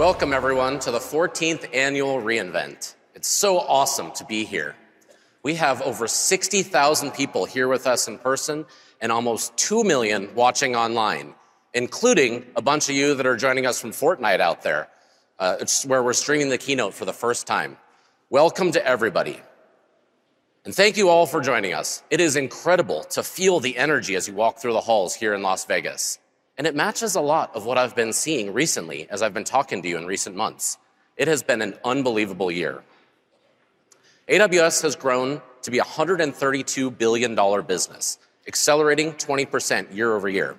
Welcome, everyone, to the 14th Annual re-Invent. It's so awesome to be here. We have over 60,000 people here with us in person and almost two million watching online, including a bunch of you that are joining us from Fortnite out there, where we're streaming the keynote for the first time. Welcome to everybody. And thank you all for joining us. It is incredible to feel the energy as you walk through the halls here in Las Vegas. And it matches a lot of what I've been seeing recently as I've been talking to you in recent months. It has been an unbelievable year. AWS has grown to be a $132 billion business, accelerating 20% year-over-year.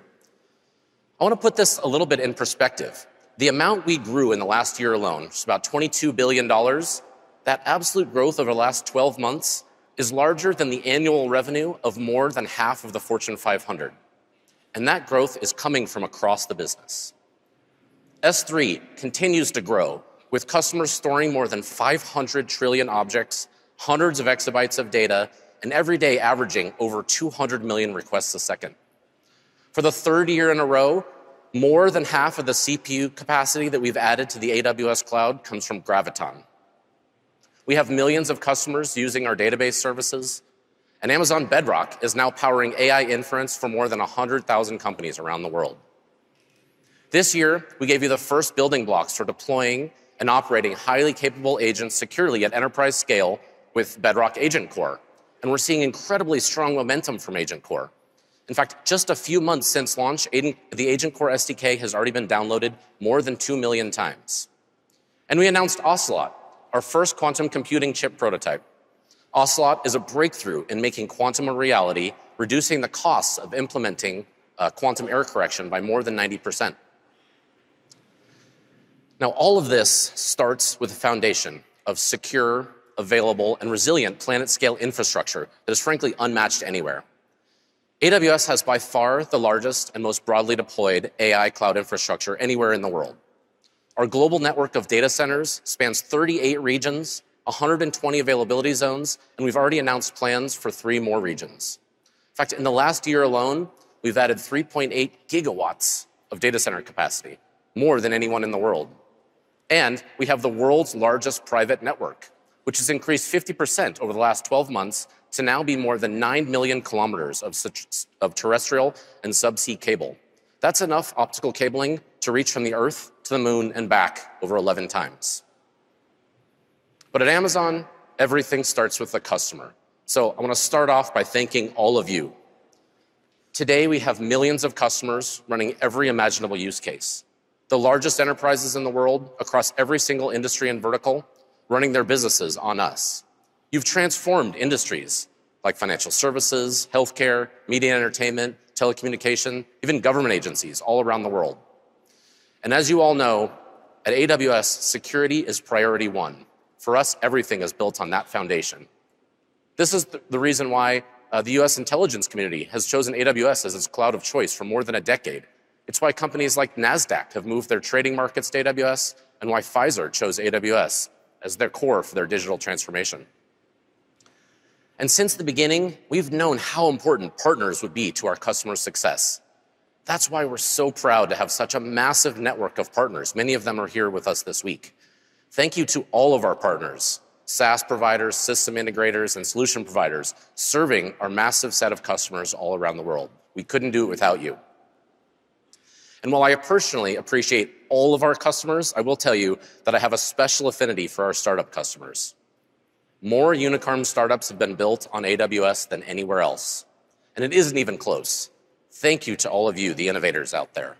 I want to put this a little bit in perspective. The amount we grew in the last year alone was about $22 billion. That absolute growth over the last 12 months is larger than the annual revenue of more than half of the Fortune 500, and that growth is coming from across the business. S3 continues to grow, with customers storing more than 500 trillion objects, hundreds of exabytes of data, and every day averaging over 200 million requests a second. For the third year in a row, more than half of the CPU capacity that we've added to the AWS cloud comes from Graviton. We have millions of customers using our database services, and Amazon Bedrock is now powering AI inference for more than 100,000 companies around the world. This year, we gave you the first building blocks for deploying and operating highly capable agents securely at enterprise scale with Bedrock Agent Core, and we're seeing incredibly strong momentum from Agent Core. In fact, just a few months since launch, the Agent Core SDK has already been downloaded more than 2 million times, and we announced Ocelot, our first quantum computing chip prototype. Ocelot is a breakthrough in making quantum a reality, reducing the costs of implementing quantum error correction by more than 90%. Now, all of this starts with a foundation of secure, available, and resilient planet-scale infrastructure that is, frankly, unmatched anywhere. AWS has by far the largest and most broadly deployed AI cloud infrastructure anywhere in the world. Our global network of data centers spans 38 regions, 120 availability zones, and we've already announced plans for three more regions. In fact, in the last year alone, we've added 3.8 gigawatts of data center capacity, more than anyone in the world. And we have the world's largest private network, which has increased 50% over the last 12 months to now be more than nine million kilometers of terrestrial and subsea cable. That's enough optical cabling to reach from the Earth to the Moon and back over 11 times. But at Amazon, everything starts with the customer. So I want to start off by thanking all of you. Today, we have millions of customers running every imaginable use case, the largest enterprises in the world across every single industry and vertical running their businesses on us. You've transformed industries like financial services, health care, media, entertainment, telecommunication, even government agencies all around the world. And as you all know, at AWS, security is priority one. For us, everything is built on that foundation. This is the reason why the U.S. intelligence community has chosen AWS as its cloud of choice for more than a decade. It's why companies like Nasdaq have moved their trading markets to AWS and why Pfizer chose AWS as their core for their digital transformation. And since the beginning, we've known how important partners would be to our customer success. That's why we're so proud to have such a massive network of partners. Many of them are here with us this week. Thank you to all of our partners, SaaS providers, system integrators, and solution providers serving our massive set of customers all around the world. We couldn't do it without you. And while I personally appreciate all of our customers, I will tell you that I have a special affinity for our startup customers. More unicorn startups have been built on AWS than anywhere else. And it isn't even close. Thank you to all of you, the innovators out there.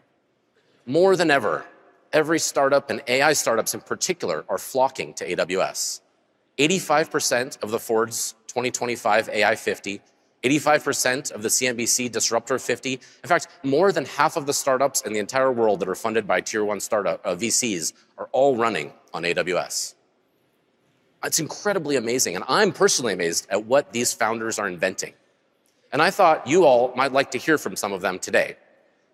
More than ever, every startup, and AI startups in particular, are flocking to AWS. 85% of the Forbes 2025 AI 50, 85% of the CNBC Disruptor 50. In fact, more than half of the startups in the entire world that are funded by tier one VCs are all running on AWS. It's incredibly amazing. And I'm personally amazed at what these founders are inventing. And I thought you all might like to hear from some of them today.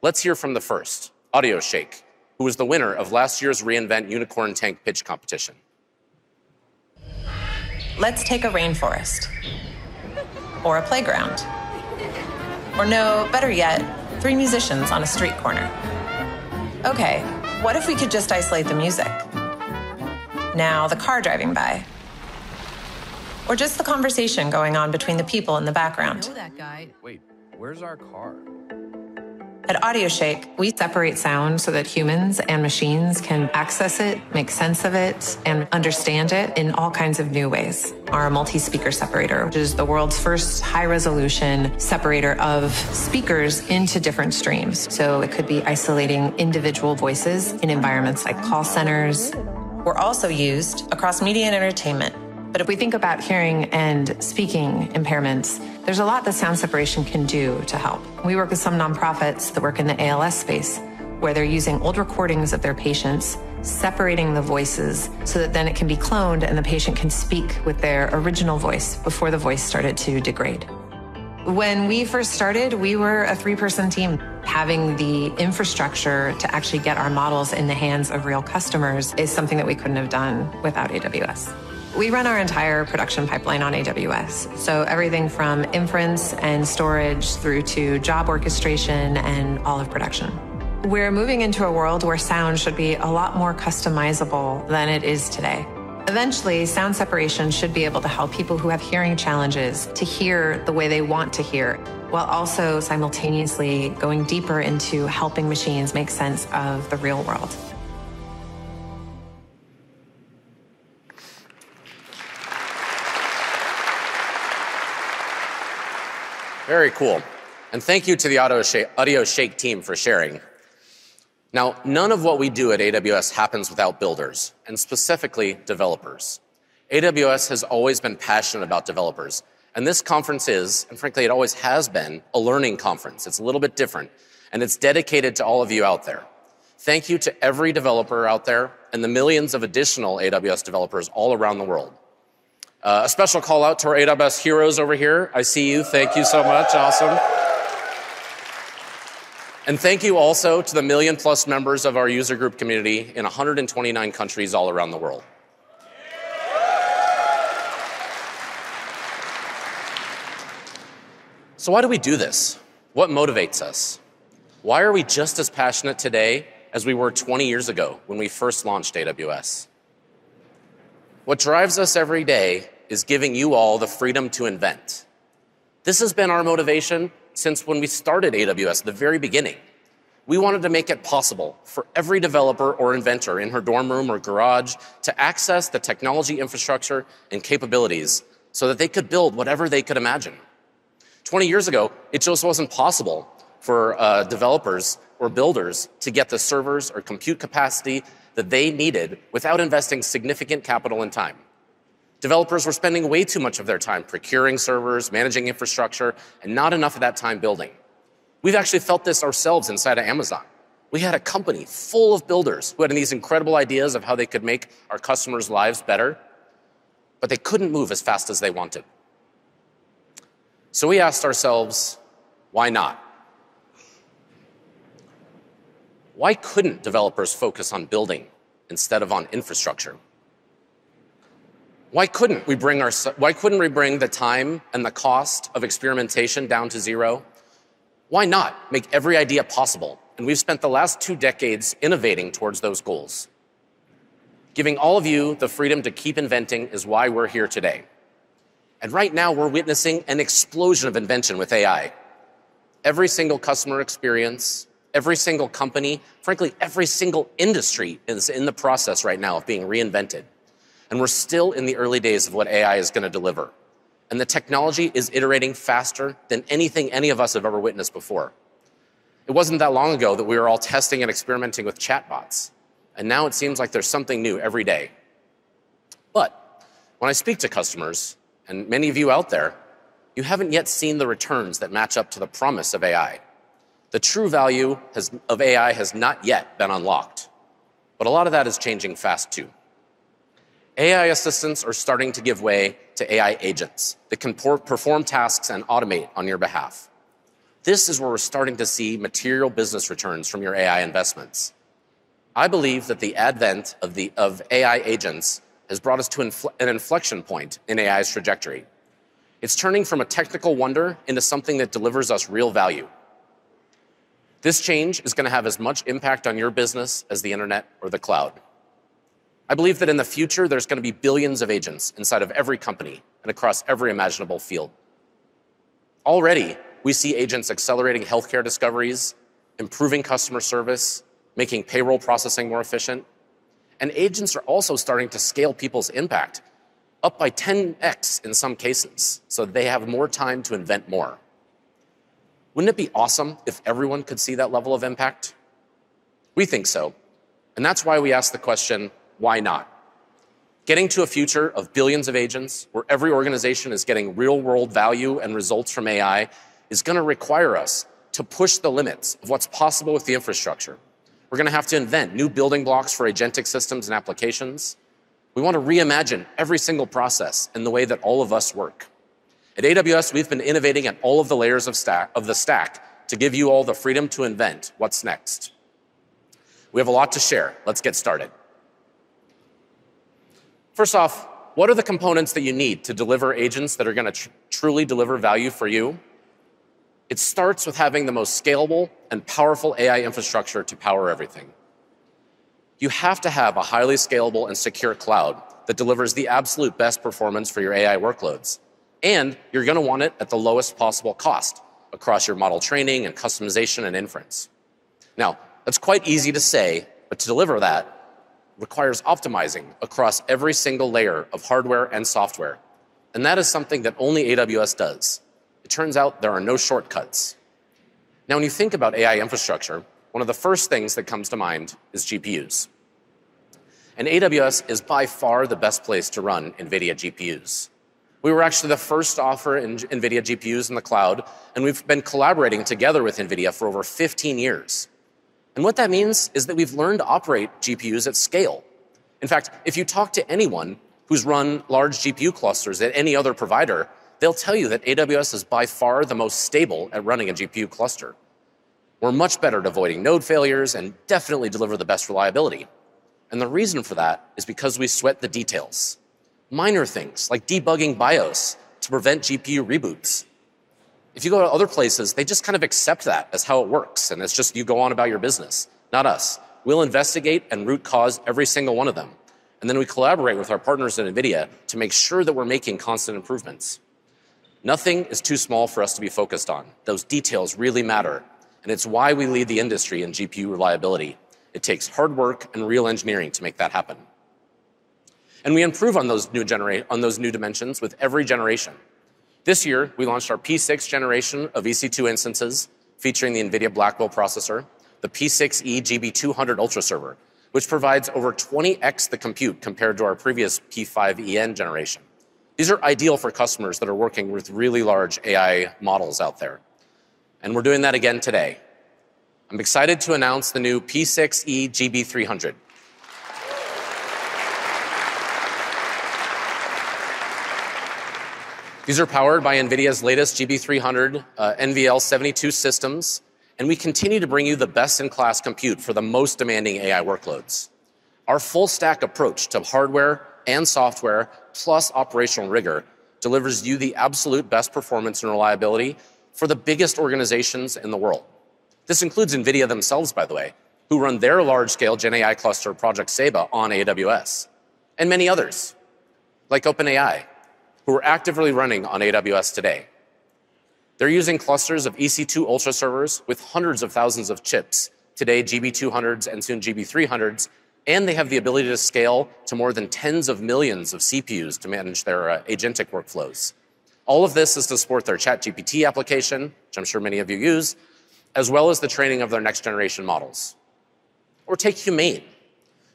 Let's hear from the first, AudioShake, who was the winner of last year's re:Invent Unicorn Tank Pitch Competition. Let's take a rainforest, or a playground, or no, better yet, three musicians on a street corner. OK, what if we could just isolate the music? Now, the car driving by, or just the conversation going on between the people in the background. Wait, where's our car? At AudioShake, we separate sound so that humans and machines can access it, make sense of it, and understand it in all kinds of new ways. Our multi-speaker separator, which is the world's first high-resolution separator of speakers into different streams. So it could be isolating individual voices in environments like call centers. We're also used across media and entertainment. But if we think about hearing and speaking impairments, there's a lot that sound separation can do to help. We work with some nonprofits that work in the ALS space, where they're using old recordings of their patients, separating the voices so that then it can be cloned and the patient can speak with their original voice before the voice started to degrade. When we first started, we were a three-person team. Having the infrastructure to actually get our models in the hands of real customers is something that we couldn't have done without AWS. We run our entire production pipeline on AWS, so everything from inference and storage through to job orchestration and all of production. We're moving into a world where sound should be a lot more customizable than it is today. Eventually, sound separation should be able to help people who have hearing challenges to hear the way they want to hear while also simultaneously going deeper into helping machines make sense of the real world. Very cool, and thank you to the AudioShake team for sharing. Now, none of what we do at AWS happens without builders, and specifically developers. AWS has always been passionate about developers, and this conference is, and frankly, it always has been, a learning conference. It's a little bit different, and it's dedicated to all of you out there. Thank you to every developer out there and the millions of additional AWS developers all around the world. A special call out to our AWS heroes over here. I see you. Thank you so much. Awesome, and thank you also to the million-plus members of our user group community in 129 countries all around the world, so why do we do this? What motivates us? Why are we just as passionate today as we were 20 years ago when we first launched AWS? What drives us every day is giving you all the freedom to invent. This has been our motivation since when we started AWS, the very beginning. We wanted to make it possible for every developer or inventor in her dorm room or garage to access the technology infrastructure and capabilities so that they could build whatever they could imagine. 20 years ago, it just wasn't possible for developers or builders to get the servers or compute capacity that they needed without investing significant capital and time. Developers were spending way too much of their time procuring servers, managing infrastructure, and not enough of that time building. We've actually felt this ourselves inside of Amazon. We had a company full of builders who had these incredible ideas of how they could make our customers' lives better, but they couldn't move as fast as they wanted. So we asked ourselves, why not? Why couldn't developers focus on building instead of on infrastructure? Why couldn't we bring the time and the cost of experimentation down to zero? Why not make every idea possible? And we've spent the last two decades innovating towards those goals. Giving all of you the freedom to keep inventing is why we're here today. And right now, we're witnessing an explosion of invention with AI. Every single customer experience, every single company, frankly, every single industry is in the process right now of being reinvented. And we're still in the early days of what AI is going to deliver. And the technology is iterating faster than anything any of us have ever witnessed before. It wasn't that long ago that we were all testing and experimenting with chatbots. And now it seems like there's something new every day. But when I speak to customers, and many of you out there, you haven't yet seen the returns that match up to the promise of AI. The true value of AI has not yet been unlocked. But a lot of that is changing fast, too. AI assistants are starting to give way to AI agents that can perform tasks and automate on your behalf. This is where we're starting to see material business returns from your AI investments. I believe that the advent of AI agents has brought us to an inflection point in AI's trajectory. It's turning from a technical wonder into something that delivers us real value. This change is going to have as much impact on your business as the internet or the cloud. I believe that in the future, there's going to be billions of agents inside of every company and across every imaginable field. Already, we see agents accelerating health care discoveries, improving customer service, making payroll processing more efficient, and agents are also starting to scale people's impact up by 10x in some cases so that they have more time to invent more. Wouldn't it be awesome if everyone could see that level of impact? We think so, and that's why we ask the question, why not? Getting to a future of billions of agents where every organization is getting real-world value and results from AI is going to require us to push the limits of what's possible with the infrastructure. We're going to have to invent new building blocks for agentic systems and applications. We want to reimagine every single process and the way that all of us work. At AWS, we've been innovating at all of the layers of the stack to give you all the freedom to invent what's next. We have a lot to share. Let's get started. First off, what are the components that you need to deliver agents that are going to truly deliver value for you? It starts with having the most scalable and powerful AI infrastructure to power everything. You have to have a highly scalable and secure cloud that delivers the absolute best performance for your AI workloads. And you're going to want it at the lowest possible cost across your model training and customization and inference. Now, that's quite easy to say. But to deliver that requires optimizing across every single layer of hardware and software. And that is something that only AWS does. It turns out there are no shortcuts. Now, when you think about AI infrastructure, one of the first things that comes to mind is GPUs. And AWS is by far the best place to run NVIDIA GPUs. We were actually the first to offer NVIDIA GPUs in the cloud. We've been collaborating together with NVIDIA for over 15 years. What that means is that we've learned to operate GPUs at scale. In fact, if you talk to anyone who's run large GPU clusters at any other provider, they'll tell you that AWS is by far the most stable at running a GPU cluster. We're much better at avoiding node failures and definitely deliver the best reliability. The reason for that is because we sweat the details, minor things like debugging BIOS to prevent GPU reboots. If you go to other places, they just kind of accept that as how it works. It's just you go on about your business, not us. We'll investigate and root cause every single one of them. And then we collaborate with our partners at NVIDIA to make sure that we're making constant improvements. Nothing is too small for us to be focused on. Those details really matter. And it's why we lead the industry in GPU reliability. It takes hard work and real engineering to make that happen. And we improve on those new dimensions with every generation. This year, we launched our P6 generation of EC2 instances featuring the NVIDIA Blackwell processor, the P6e GB200 Ultra server, which provides over 20x the compute compared to our previous P5en generation. These are ideal for customers that are working with really large AI models out there. And we're doing that again today. I'm excited to announce the new P6e GB300. These are powered by NVIDIA's latest GB300 NVL72 systems. And we continue to bring you the best-in-class compute for the most demanding AI workloads. Our full-stack approach to hardware and software, plus operational rigor, delivers you the absolute best performance and reliability for the biggest organizations in the world. This includes NVIDIA themselves, by the way, who run their large-scale GenAI cluster Project Ceiba on AWS, and many others, like OpenAI, who are actively running on AWS today. They're using clusters of EC2 Ultra servers with hundreds of thousands of chips, today GB200s and soon GB300s. And they have the ability to scale to more than tens of millions of CPUs to manage their agentic workflows. All of this is to support their ChatGPT application, which I'm sure many of you use, as well as the training of their next-generation models. Or take Humein.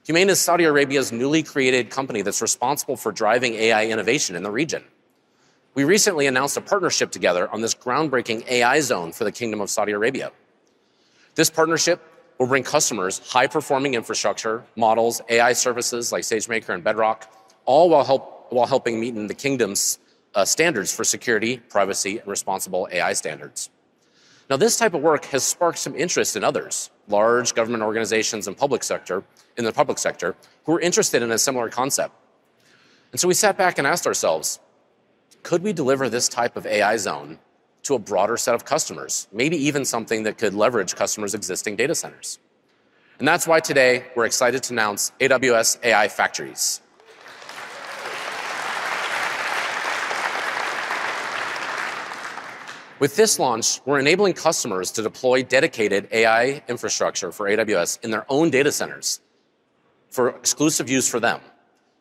Humein is Saudi Arabia's newly created company that's responsible for driving AI innovation in the region. We recently announced a partnership together on this groundbreaking AI zone for the Kingdom of Saudi Arabia. This partnership will bring customers high-performing infrastructure, models, AI services like SageMaker and Bedrock, all while helping meet the Kingdom's standards for security, privacy, and responsible AI standards. Now, this type of work has sparked some interest from others, large government organizations and public sector, who are interested in a similar concept, and so we sat back and asked ourselves, could we deliver this type of AI zone to a broader set of customers, maybe even something that could leverage customers' existing data centers? And that's why today we're excited to announce AWS AI Factories. With this launch, we're enabling customers to deploy dedicated AI infrastructure for AWS in their own data centers for exclusive use for them.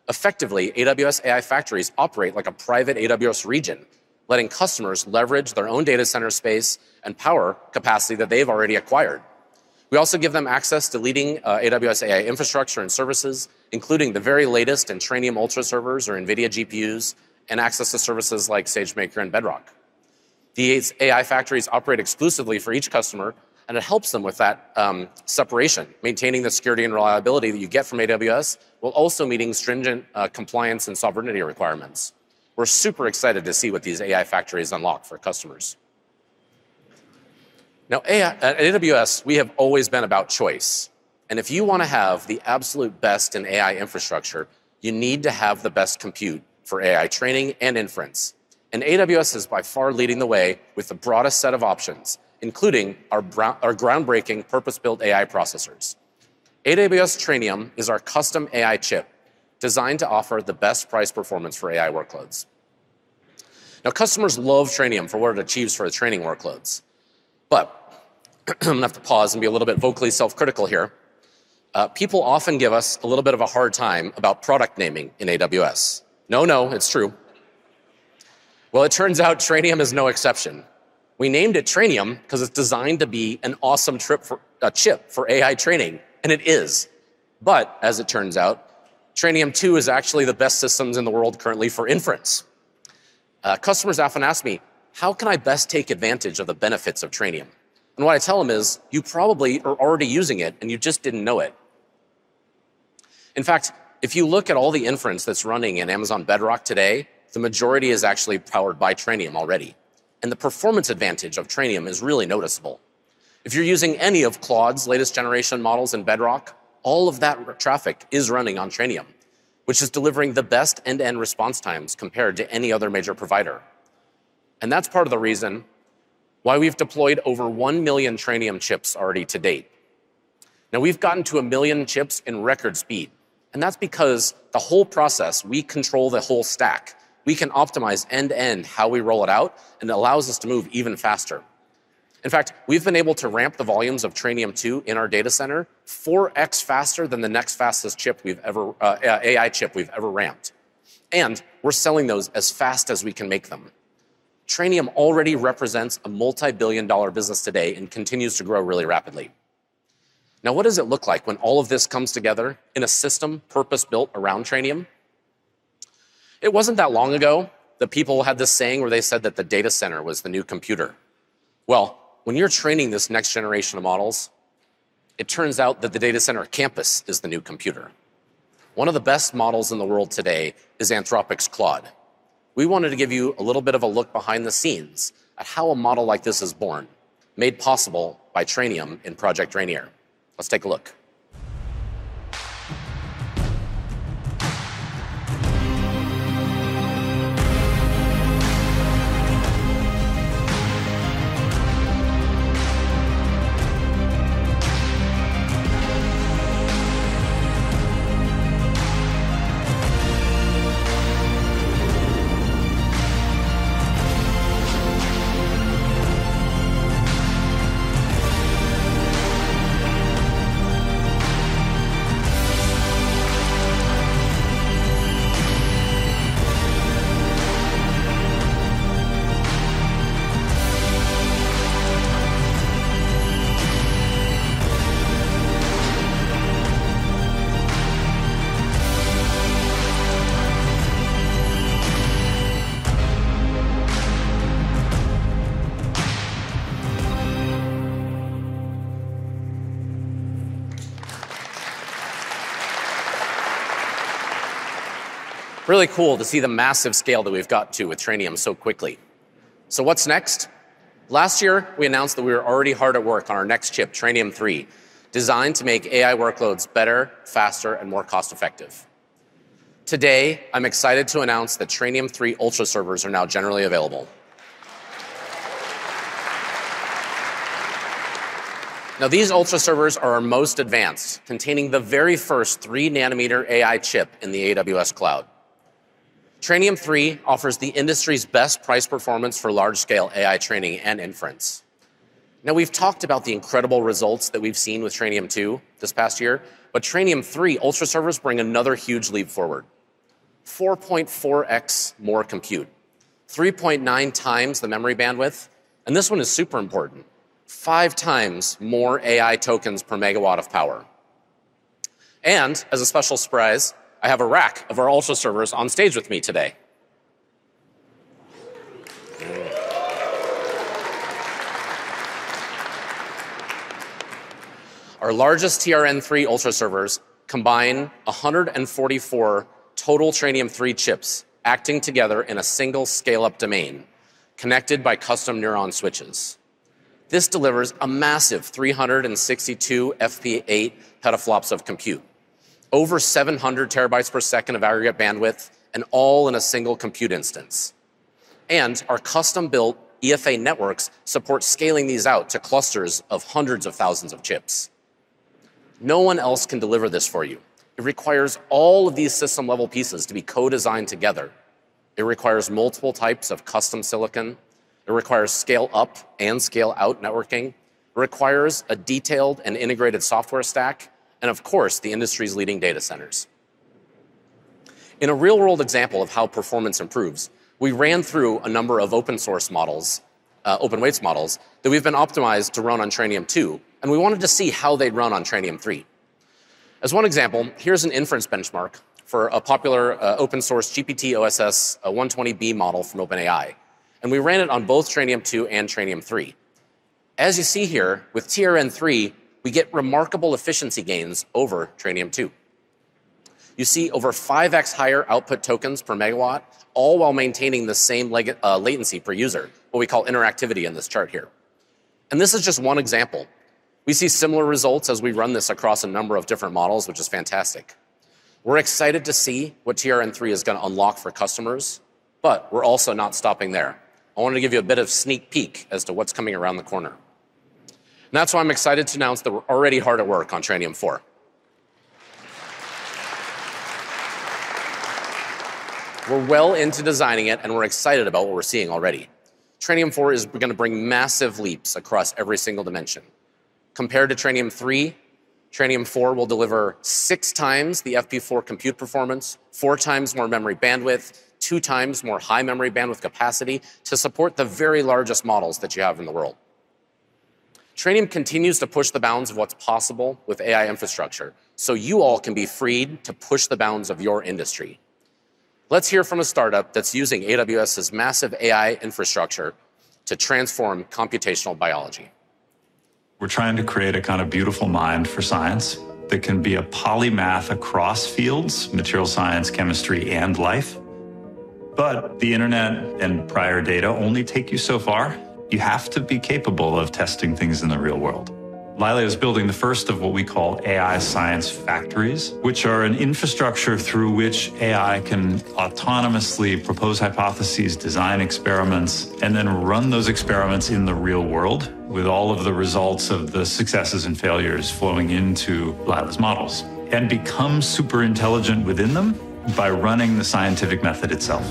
Effectively, AWS AI Factories operate like a private AWS region, letting customers leverage their own data center space and power capacity that they've already acquired. We also give them access to leading AWS AI infrastructure and services, including the very latest and Trainium3 UltraServers or NVIDIA GPUs, and access to services like SageMaker and Bedrock. The AI Factories operate exclusively for each customer, and it helps them with that separation, maintaining the security and reliability that you get from AWS while also meeting stringent compliance and sovereignty requirements. We're super excited to see what these AI Factories unlock for customers. Now, at AWS, we have always been about choice, and if you want to have the absolute best in AI infrastructure, you need to have the best compute for AI training and inference. And AWS is by far leading the way with the broadest set of options, including our groundbreaking purpose-built AI processors. AWS Trainium is our custom AI chip designed to offer the best price performance for AI workloads. Now, customers love Trainium for what it achieves for the training workloads. But I'm going to have to pause and be a little bit vocally self-critical here. People often give us a little bit of a hard time about product naming in AWS. No, no, it's true. Well, it turns out Trainium is no exception. We named it Trainium because it's designed to be an awesome chip for AI training. And it is. But as it turns out, Trainium 2 is actually the best systems in the world currently for inference. Customers often ask me, how can I best take advantage of the benefits of Trainium? And what I tell them is, you probably are already using it, and you just didn't know it. In fact, if you look at all the inference that's running in Amazon Bedrock today, the majority is actually powered by Trainium already. And the performance advantage of Trainium is really noticeable. If you're using any of Claude's latest generation models in Bedrock, all of that traffic is running on Trainium, which is delivering the best end-to-end response times compared to any other major provider. And that's part of the reason why we've deployed over 1 million Trainium chips already to date. Now, we've gotten to a million chips in record speed. And that's because the whole process, we control the whole stack. We can optimize end-to-end how we roll it out, and it allows us to move even faster. In fact, we've been able to ramp the volumes of Trainium 2 in our data center 4x faster than the next fastest chip we've ever ramped. And we're selling those as fast as we can make them. Trainium already represents a multi-billion dollar business today and continues to grow really rapidly. Now, what does it look like when all of this comes together in a system purpose-built around Trainium? It wasn't that long ago that people had this saying where they said that the data center was the new computer. Well, when you're training this next generation of models, it turns out that the data center campus is the new computer. One of the best models in the world today is Anthropic's Claude. We wanted to give you a little bit of a look behind the scenes at how a model like this is born, made possible by Trainium in Project Rainier. Let's take a look. Really cool to see the massive scale that we've got to with Trainium so quickly. So what's next? Last year, we announced that we were already hard at work on our next chip, Trainium 3, designed to make AI workloads better, faster, and more cost-effective. Today, I'm excited to announce that Trainium 3 Ultra servers are now generally available. Now, these Ultra servers are our most advanced, containing the very first 3-nanometer AI chip in the AWS cloud. Trainium 3 offers the industry's best price performance for large-scale AI training and inference. Now, we've talked about the incredible results that we've seen with Trainium 2 this past year. But Trainium 3 Ultra servers bring another huge leap forward: 4.4x more compute, 3.9 times the memory bandwidth. And this one is super important: 5 times more AI tokens per megawatt of power. And as a special surprise, I have a rack of our Ultra servers on stage with me today. Our largest TRN3 Ultra servers combine 144 total Trainium 3 chips acting together in a single scale-up domain connected by custom neuron switches. This delivers a massive 362 FP8 petaflops of compute, over 700 terabytes per second of aggregate bandwidth, and all in a single compute instance. And our custom-built EFA networks support scaling these out to clusters of hundreds of thousands of chips. No one else can deliver this for you. It requires all of these system-level pieces to be co-designed together. It requires multiple types of custom silicon. It requires scale-up and scale-out networking. It requires a detailed and integrated software stack and, of course, the industry's leading data centers. In a real-world example of how performance improves, we ran through a number of open-source models, open weights models that we've been optimized to run on Trainium 2, and we wanted to see how they'd run on Trainium 3. As one example, here's an inference benchmark for a popular open-source GPT OSS 120B model from OpenAI, and we ran it on both Trainium 2 and Trainium 3. As you see here, with TRN3, we get remarkable efficiency gains over Trainium 2. You see over 5x higher output tokens per megawatt, all while maintaining the same latency per user, what we call interactivity in this chart here, and this is just one example. We see similar results as we run this across a number of different models, which is fantastic. We're excited to see what Trainium 3 is going to unlock for customers. But we're also not stopping there. I wanted to give you a bit of a sneak peek as to what's coming around the corner, and that's why I'm excited to announce that we're already hard at work on Trainium 4. We're well into designing it, and we're excited about what we're seeing already. Trainium 4 is going to bring massive leaps across every single dimension. Compared to Trainium 3, Trainium 4 will deliver six times the FP4 compute performance, four times more memory bandwidth, and two times more high memory bandwidth capacity to support the very largest models that you have in the world. Trainium continues to push the bounds of what's possible with AI infrastructure so you all can be freed to push the bounds of your industry. Let's hear from a startup that's using AWS's massive AI infrastructure to transform computational biology. We're trying to create a kind of beautiful mind for science that can be a polymath across fields: material science, chemistry, and life. But the internet and prior data only take you so far. You have to be capable of testing things in the real world. Eli Lilly is building the first of what we call AI Science Factories, which are an infrastructure through which AI can autonomously propose hypotheses, design experiments, and then run those experiments in the real world with all of the results of the successes and failures flowing into Eli Lilly's models and become super intelligent within them by running the scientific method itself.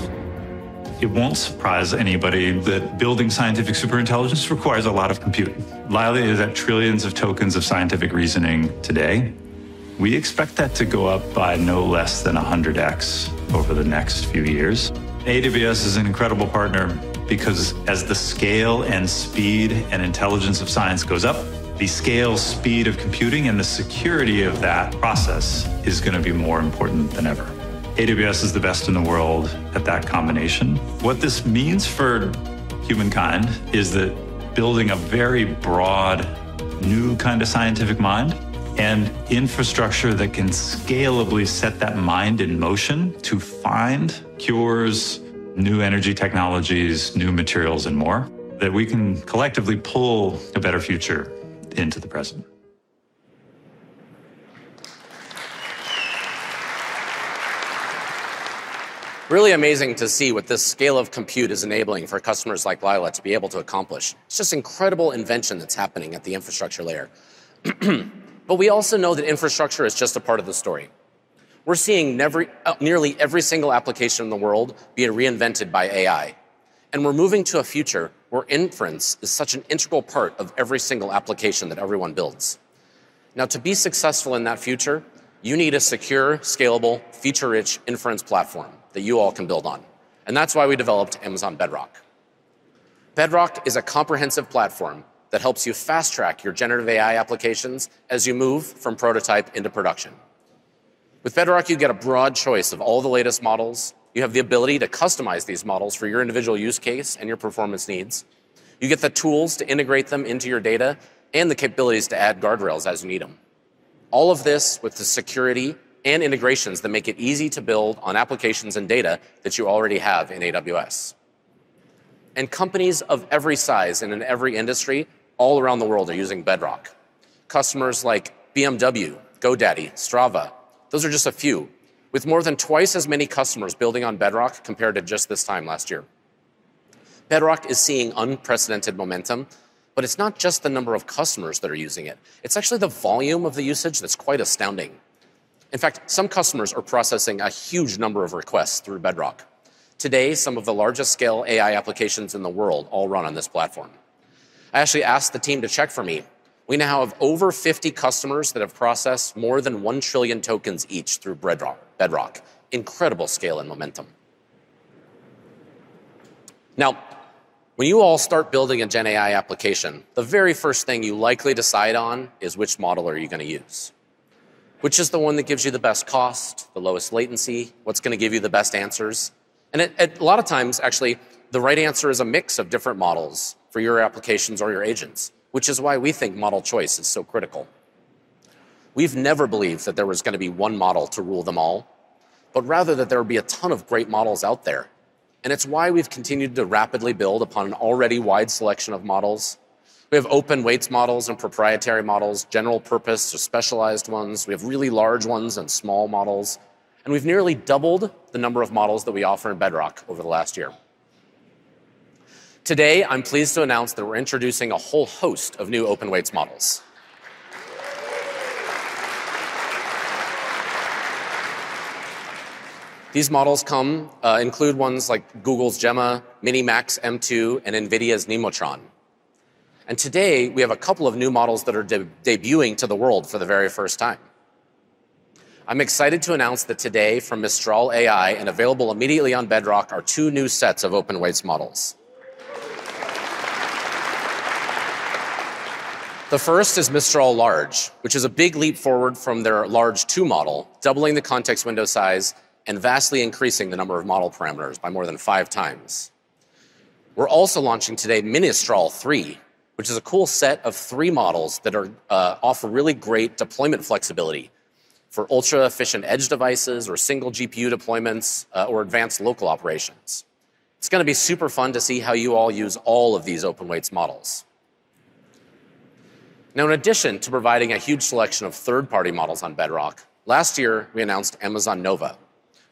It won't surprise anybody that building scientific superintelligence requires a lot of compute. Eli Lilly is at trillions of tokens of scientific reasoning today. We expect that to go up by no less than 100x over the next few years. AWS is an incredible partner because as the scale and speed and intelligence of science goes up, the scale speed of computing and the security of that process is going to be more important than ever. AWS is the best in the world at that combination. What this means for humankind is that building a very broad new kind of scientific mind and infrastructure that can scalably set that mind in motion to find cures, new energy technologies, new materials, and more that we can collectively pull a better future into the present. Really amazing to see what this scale of compute is enabling for customers like Eli Lilly to be able to accomplish. It's just incredible invention that's happening at the infrastructure layer. But we also know that infrastructure is just a part of the story. We're seeing nearly every single application in the world being reinvented by AI. And we're moving to a future where inference is such an integral part of every single application that everyone builds. Now, to be successful in that future, you need a secure, scalable, feature-rich inference platform that you all can build on. And that's why we developed Amazon Bedrock. Bedrock is a comprehensive platform that helps you fast-track your generative AI applications as you move from prototype into production. With Bedrock, you get a broad choice of all the latest models. You have the ability to customize these models for your individual use case and your performance needs. You get the tools to integrate them into your data and the capabilities to add guardrails as you need them. All of this with the security and integrations that make it easy to build on applications and data that you already have in AWS. And companies of every size and in every industry all around the world are using Bedrock. Customers like BMW, GoDaddy, Strava, those are just a few, with more than twice as many customers building on Bedrock compared to just this time last year. Bedrock is seeing unprecedented momentum. But it's not just the number of customers that are using it. It's actually the volume of the usage that's quite astounding. In fact, some customers are processing a huge number of requests through Bedrock. Today, some of the largest scale AI applications in the world all run on this platform. I actually asked the team to check for me. We now have over 50 customers that have processed more than 1 trillion tokens each through Bedrock. Incredible scale and momentum. Now, when you all start building a GenAI application, the very first thing you likely decide on is which model are you going to use, which is the one that gives you the best cost, the lowest latency, what's going to give you the best answers. And a lot of times, actually, the right answer is a mix of different models for your applications or your agents, which is why we think model choice is so critical. We've never believed that there was going to be one model to rule them all, but rather that there would be a ton of great models out there. And it's why we've continued to rapidly build upon an already wide selection of models. We have open weights models and proprietary models, general purpose or specialized ones. We have really large ones and small models. And we've nearly doubled the number of models that we offer in Bedrock over the last year. Today, I'm pleased to announce that we're introducing a whole host of new open weights models. These models include ones like Google's Gemma, Minimax M2, and NVIDIA's Nemotron. And today, we have a couple of new models that are debuting to the world for the very first time. I'm excited to announce that today, from Mistral AI and available immediately on Bedrock, are two new sets of open weights models. The first is Mistral Large, which is a big leap forward from their Large 2 model, doubling the context window size and vastly increasing the number of model parameters by more than five times. We're also launching today Ministral 3, which is a cool set of three models that offer really great deployment flexibility for ultra-efficient edge devices or single GPU deployments or advanced local operations. It's going to be super fun to see how you all use all of these open weights models. Now, in addition to providing a huge selection of third-party models on Bedrock, last year, we announced Amazon Nova,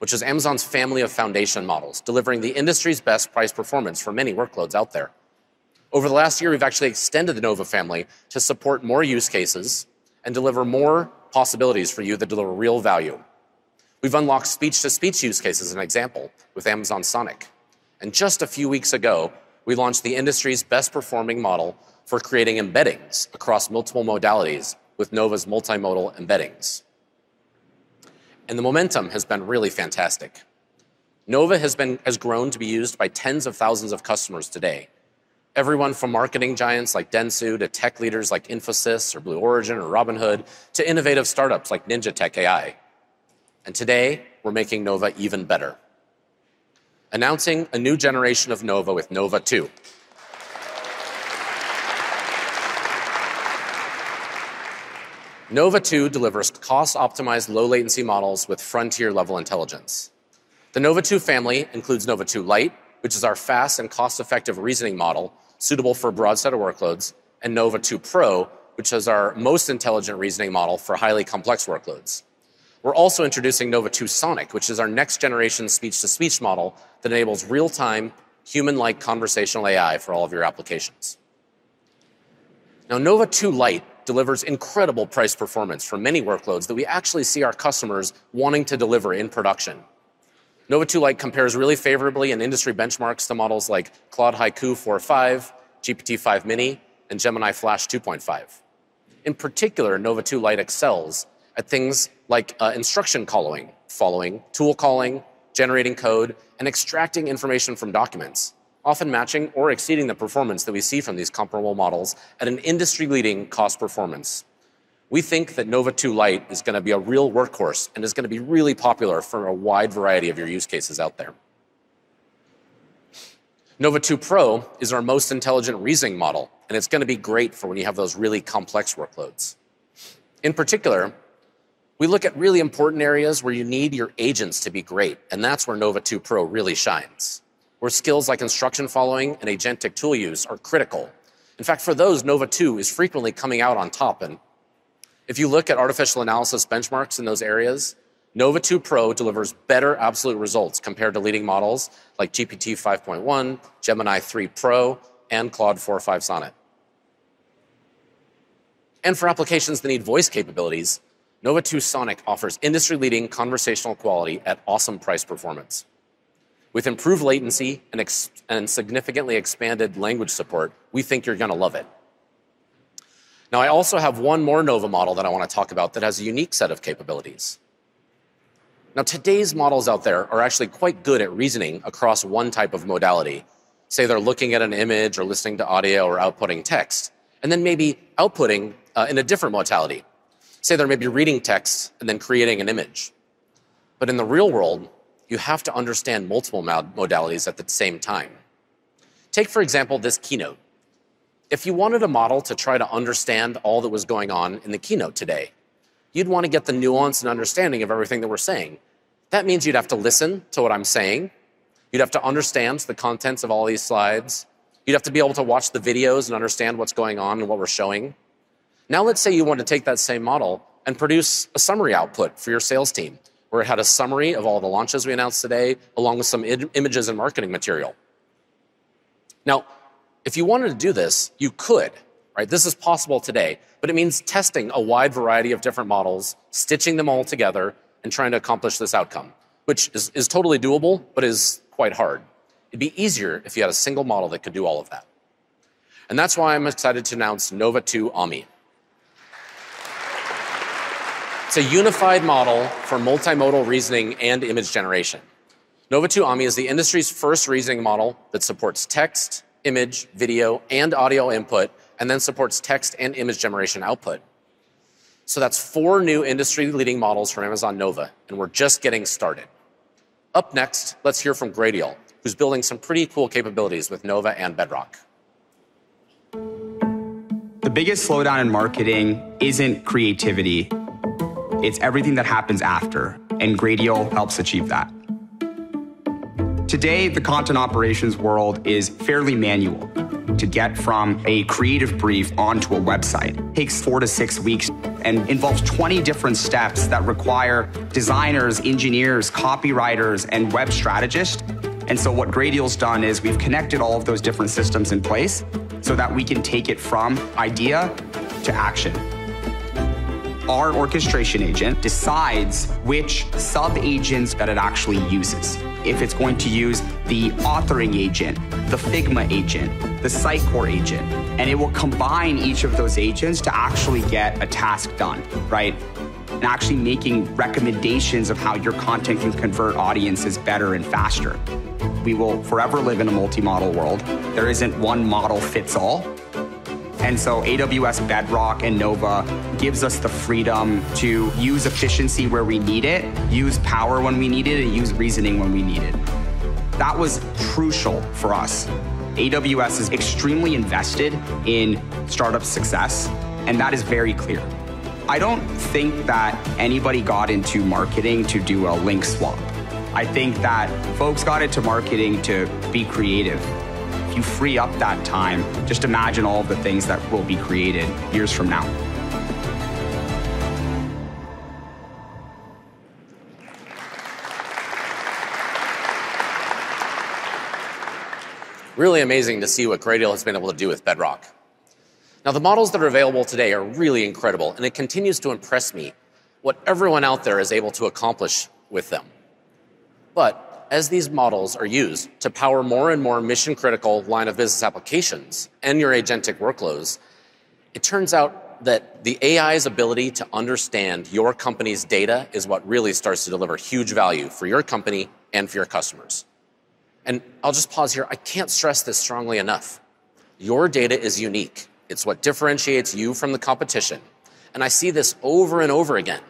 which is Amazon's family of foundation models delivering the industry's best price performance for many workloads out there. Over the last year, we've actually extended the Nova family to support more use cases and deliver more possibilities for you that deliver real value. We've unlocked speech-to-speech use cases as an example with Amazon Sonic. And just a few weeks ago, we launched the industry's best-performing model for creating embeddings across multiple modalities with Nova's multimodal embeddings. The momentum has been really fantastic. Nova has grown to be used by tens of thousands of customers today, everyone from marketing giants like Dentsu to tech leaders like Infosys or Blue Origin or Robinhood to innovative startups like NinjaTech AI. Today, we're making Nova even better, announcing a new generation of Nova with Nova 2. Nova 2 delivers cost-optimized low-latency models with frontier-level intelligence. The Nova 2 family includes Nova 2 Lite, which is our fast and cost-effective reasoning model suitable for a broad set of workloads, and Nova 2 Pro, which is our most intelligent reasoning model for highly complex workloads. We're also introducing Nova 2 Sonic, which is our next-generation speech-to-speech model that enables real-time, human-like conversational AI for all of your applications. Now, Nova 2 Lite delivers incredible price performance for many workloads that we actually see our customers wanting to deliver in production. Nova 2 Lite compares really favorably in industry benchmarks to models like Claude Haiku 4.5, GPT-5 Mini, and Gemini Flash 2.5. In particular, Nova 2 Lite excels at things like instruction following, tool calling, generating code, and extracting information from documents, often matching or exceeding the performance that we see from these comparable models at an industry-leading cost performance. We think that Nova 2 Lite is going to be a real workhorse and is going to be really popular for a wide variety of your use cases out there. Nova 2 Pro is our most intelligent reasoning model, and it's going to be great for when you have those really complex workloads. In particular, we look at really important areas where you need your agents to be great, and that's where Nova 2 Pro really shines, where skills like instruction following and agentic tool use are critical. In fact, for those, Nova-2 is frequently coming out on top. And if you look at Artificial Analysis benchmarks in those areas, Nova 2 Pro delivers better absolute results compared to leading models like GPT-5.1, Gemini 3 Pro, and Claude 4.5 Sonic. And for applications that need voice capabilities, Nova 2 Sonic offers industry-leading conversational quality at awesome price performance. With improved latency and significantly expanded language support, we think you're going to love it. Now, I also have one more Nova model that I want to talk about that has a unique set of capabilities. Now, today's models out there are actually quite good at reasoning across one type of modality. Say they're looking at an image or listening to audio or outputting text, and then maybe outputting in a different modality. Say they're maybe reading text and then creating an image. But in the real world, you have to understand multiple modalities at the same time. Take, for example, this keynote. If you wanted a model to try to understand all that was going on in the keynote today, you'd want to get the nuance and understanding of everything that we're saying. That means you'd have to listen to what I'm saying. You'd have to understand the contents of all these slides. You'd have to be able to watch the videos and understand what's going on and what we're showing. Now, let's say you want to take that same model and produce a summary output for your sales team where it had a summary of all the launches we announced today along with some images and marketing material. Now, if you wanted to do this, you could. This is possible today, but it means testing a wide variety of different models, stitching them all together, and trying to accomplish this outcome, which is totally doable but is quite hard. It'd be easier if you had a single model that could do all of that. And that's why I'm excited to announce Nova 2 Omni. It's a unified model for multimodal reasoning and image generation. Nova 2 Omni is the industry's first reasoning model that supports text, image, video, and audio input, and then supports text and image generation output. So that's four new industry-leading models from Amazon Nova, and we're just getting started. Up next, let's hear from Gradial, who's building some pretty cool capabilities with Nova and Bedrock. The biggest slowdown in marketing isn't creativity. It's everything that happens after, and Gradial helps achieve that. Today, the content operations world is fairly manual. To get from a creative brief onto a website takes four to six weeks and involves 20 different steps that require designers, engineers, copywriters, and web strategists. And so what Gradial's done is we've connected all of those different systems in place so that we can take it from idea to action. Our orchestration agent decides which sub-agents that it actually uses, if it's going to use the authoring agent, the Figma agent, the Sitecore agent, and it will combine each of those agents to actually get a task done, right? And actually making recommendations of how your content can convert audiences better and faster. We will forever live in a multimodal world. There isn't one model fits all. And so AWS Bedrock and Nova gives us the freedom to use efficiency where we need it, use power when we need it, and use reasoning when we need it. That was crucial for us. AWS is extremely invested in startup success, and that is very clear. I don't think that anybody got into marketing to do a link swap. I think that folks got into marketing to be creative. If you free up that time, just imagine all the things that will be created years from now. Really amazing to see what Gradial has been able to do with Bedrock. Now, the models that are available today are really incredible, and it continues to impress me what everyone out there is able to accomplish with them. But as these models are used to power more and more mission-critical line-of-business applications and your agentic workloads, it turns out that the AI's ability to understand your company's data is what really starts to deliver huge value for your company and for your customers. And I'll just pause here. I can't stress this strongly enough. Your data is unique. It's what differentiates you from the competition, and I see this over and over again.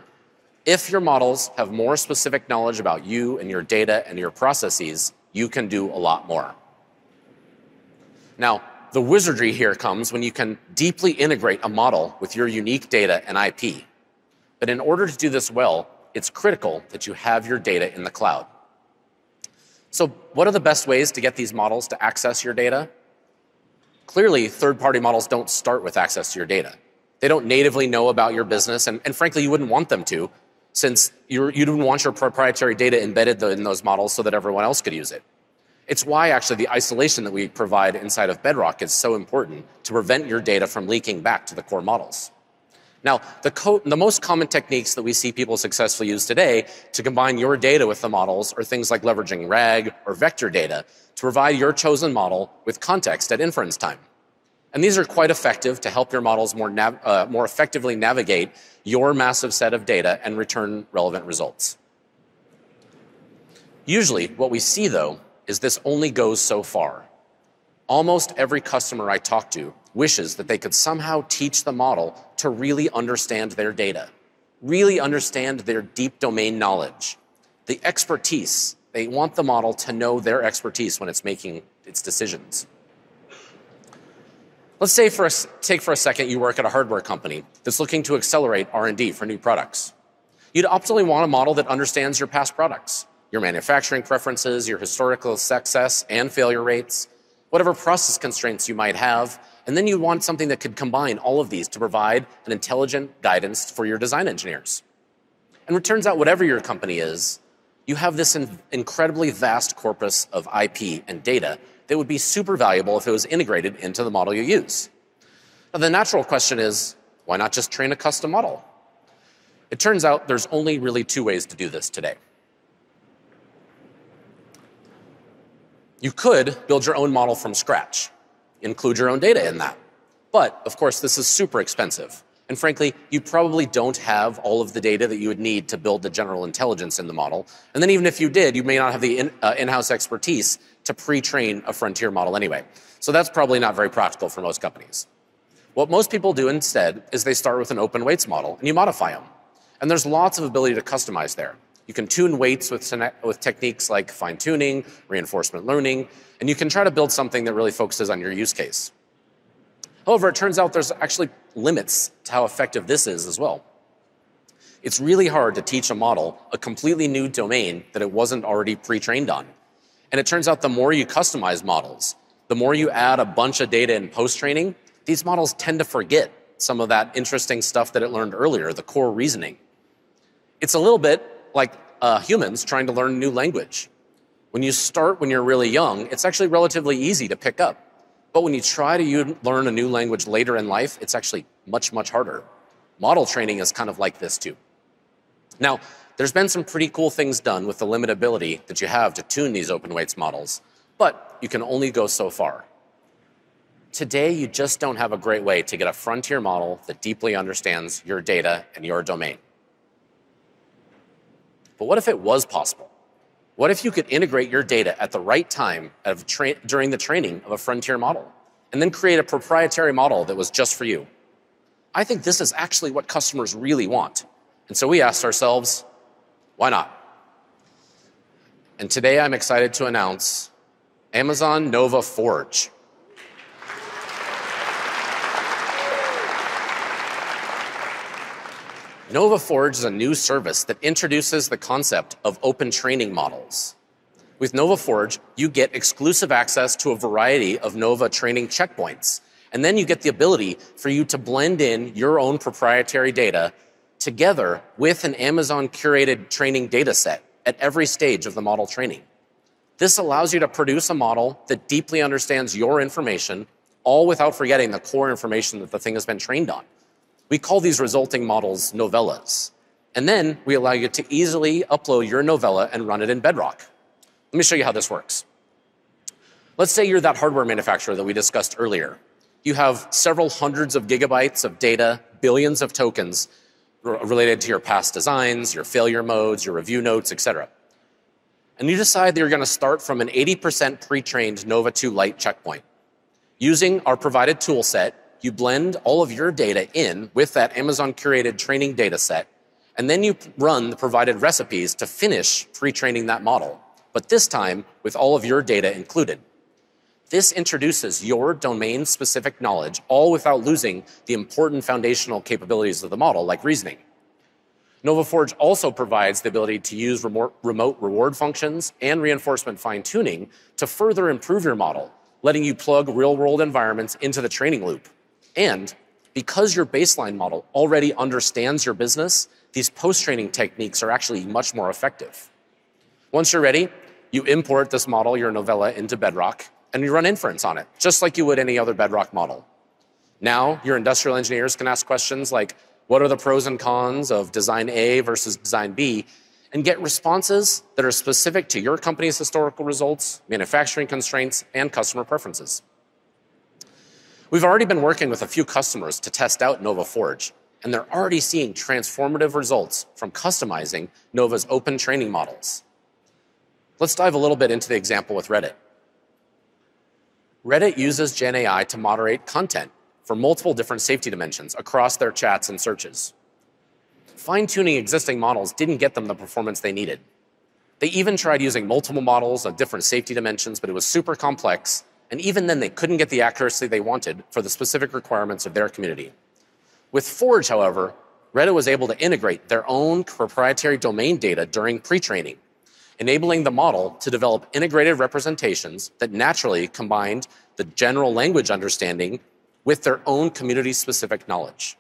If your models have more specific knowledge about you and your data and your processes, you can do a lot more. Now, the wizardry here comes when you can deeply integrate a model with your unique data and IP, but in order to do this well, it's critical that you have your data in the cloud, so what are the best ways to get these models to access your data? Clearly, third-party models don't start with access to your data. They don't natively know about your business, and frankly, you wouldn't want them to since you didn't want your proprietary data embedded in those models so that everyone else could use it. It's why, actually, the isolation that we provide inside of Bedrock is so important to prevent your data from leaking back to the core models. Now, the most common techniques that we see people successfully use today to combine your data with the models are things like leveraging RAG or vector data to provide your chosen model with context at inference time, and these are quite effective to help your models more effectively navigate your massive set of data and return relevant results. Usually, what we see, though, is this only goes so far. Almost every customer I talk to wishes that they could somehow teach the model to really understand their data, really understand their deep domain knowledge, the expertise. They want the model to know their expertise when it's making its decisions. Let's say, take for a second, you work at a hardware company that's looking to accelerate R&D for new products. You'd optimally want a model that understands your past products, your manufacturing preferences, your historical success and failure rates, whatever process constraints you might have, and then you'd want something that could combine all of these to provide an intelligent guidance for your design engineers. And it turns out, whatever your company is, you have this incredibly vast corpus of IP and data that would be super valuable if it was integrated into the model you use. Now, the natural question is, why not just train a custom model? It turns out there's only really two ways to do this today. You could build your own model from scratch, include your own data in that. But of course, this is super expensive. Frankly, you probably don't have all of the data that you would need to build the general intelligence in the model. Then even if you did, you may not have the in-house expertise to pre-train a frontier model anyway. That's probably not very practical for most companies. What most people do instead is they start with an open weights model, and you modify them. There's lots of ability to customize there. You can tune weights with techniques like fine-tuning, reinforcement learning, and you can try to build something that really focuses on your use case. However, it turns out there's actually limits to how effective this is as well. It's really hard to teach a model a completely new domain that it wasn't already pre-trained on. It turns out the more you customize models, the more you add a bunch of data in post-training, these models tend to forget some of that interesting stuff that it learned earlier, the core reasoning. It's a little bit like humans trying to learn a new language. When you start, when you're really young, it's actually relatively easy to pick up. But when you try to learn a new language later in life, it's actually much, much harder. Model training is kind of like this too. Now, there's been some pretty cool things done with the limited ability that you have to tune these open weights models, but you can only go so far. Today, you just don't have a great way to get a frontier model that deeply understands your data and your domain. But what if it was possible? What if you could integrate your data at the right time during the training of a frontier model and then create a proprietary model that was just for you? I think this is actually what customers really want. So we asked ourselves, why not? Today, I'm excited to announce Amazon Nova Forge. Nova Forge is a new service that introduces the concept of open training models. With Nova Forge, you get exclusive access to a variety of Nova training checkpoints, and then you get the ability for you to blend in your own proprietary data together with an Amazon-curated training data set at every stage of the model training. This allows you to produce a model that deeply understands your information, all without forgetting the core information that the thing has been trained on. We call these resulting models Novellas. And then we allow you to easily upload your Novella and run it in Bedrock. Let me show you how this works. Let's say you're that hardware manufacturer that we discussed earlier. You have several hundreds of gigabytes of data, billions of tokens related to your past designs, your failure modes, your review notes, etc. And you decide that you're going to start from an 80% pre-trained Nova 2 Lite checkpoint. Using our provided toolset, you blend all of your data in with that Amazon-curated training data set, and then you run the provided recipes to finish pre-training that model, but this time with all of your data included. This introduces your domain-specific knowledge, all without losing the important foundational capabilities of the model, like reasoning. Nova Forge also provides the ability to use remote reward functions and reinforcement fine-tuning to further improve your model, letting you plug real-world environments into the training loop, and because your baseline model already understands your business, these post-training techniques are actually much more effective. Once you're ready, you import this model, your Novella, into Bedrock, and you run inference on it, just like you would any other Bedrock model. Now, your industrial engineers can ask questions like, what are the pros and cons of design A versus design B, and get responses that are specific to your company's historical results, manufacturing constraints, and customer preferences. We've already been working with a few customers to test out Nova Forge, and they're already seeing transformative results from customizing Nova's open training models. Let's dive a little bit into the example with Reddit. Reddit uses GenAI to moderate content for multiple different safety dimensions across their chats and searches. Fine-tuning existing models didn't get them the performance they needed. They even tried using multiple models of different safety dimensions, but it was super complex, and even then they couldn't get the accuracy they wanted for the specific requirements of their community. With Forge, however, Reddit was able to integrate their own proprietary domain data during pre-training, enabling the model to develop integrated representations that naturally combined the general language understanding with their own community-specific knowledge.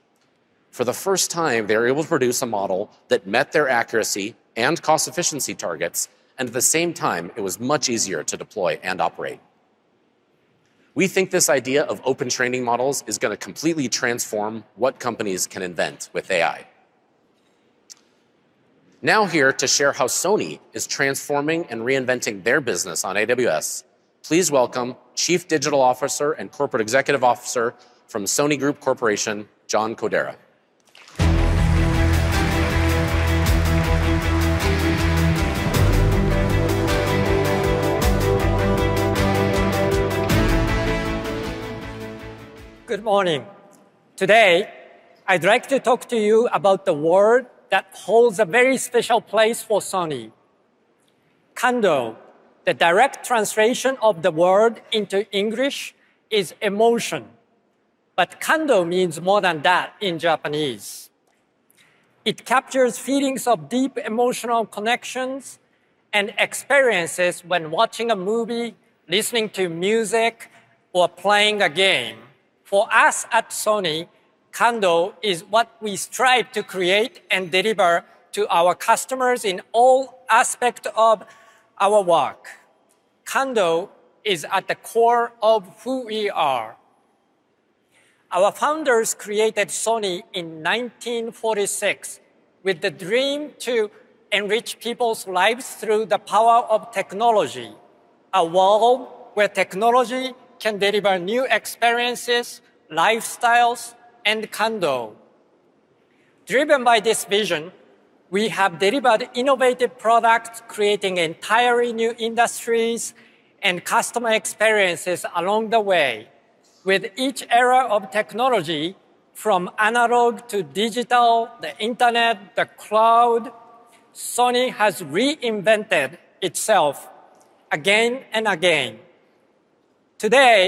For the first time, they were able to produce a model that met their accuracy and cost-efficiency targets, and at the same time, it was much easier to deploy and operate. We think this idea of open training models is going to completely transform what companies can invent with AI. Now here to share how Sony is transforming and reinventing their business on AWS, please welcome Chief Digital Officer and Corporate Executive Officer from Sony Group Corporation, John Kodera. Good morning. Today, I'd like to talk to you about the word that holds a very special place for Sony, Kando. The direct translation of the word into English is emotion, but Kando means more than that in Japanese. It captures feelings of deep emotional connections and experiences when watching a movie, listening to music, or playing a game. For us at Sony, Kando is what we strive to create and deliver to our customers in all aspects of our work. Kando is at the core of who we are. Our founders created Sony in 1946 with the dream to enrich people's lives through the power of technology, a world where technology can deliver new experiences, lifestyles, and Kando. Driven by this vision, we have delivered innovative products, creating entirely new industries and customer experiences along the way. With each era of technology, from analog to digital, the internet, the cloud, Sony has reinvented itself again and again. Today,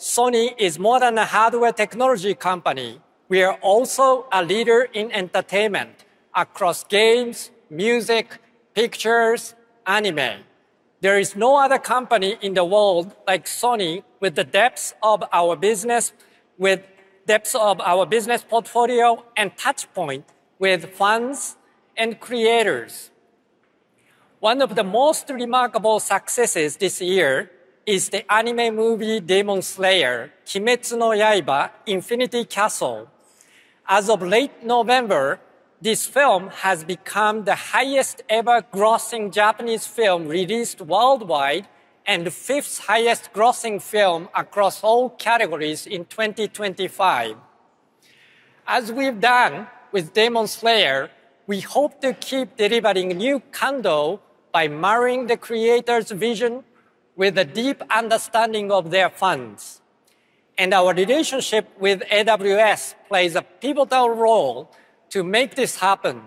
Sony is more than a hardware technology company. We are also a leader in entertainment across games, music, pictures, anime. There is no other company in the world like Sony with the depths of our business portfolio and touchpoint with fans and creators. One of the most remarkable successes this year is the anime movie Demon Slayer: Kimetsu no Yaiba - Infinity Castle. As of late November, this film has become the highest-ever grossing Japanese film released worldwide and the fifth highest-grossing film across all categories in 2025. As we've done with Demon Slayer, we hope to keep delivering new Kando by marrying the creators' vision with a deep understanding of their fans, and our relationship with AWS plays a pivotal role to make this happen.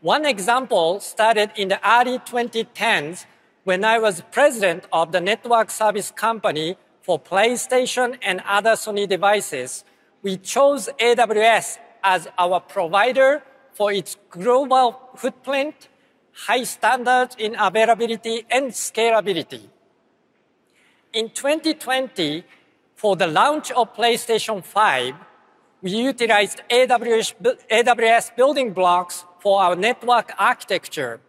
One example started in the early 2010s when I was president of the Network Service Company for PlayStation and other Sony devices. We chose AWS as our provider for its global footprint, high standards in availability, and scalability. In 2020, for the launch of PlayStation 5, we utilized AWS building blocks for our network architecture.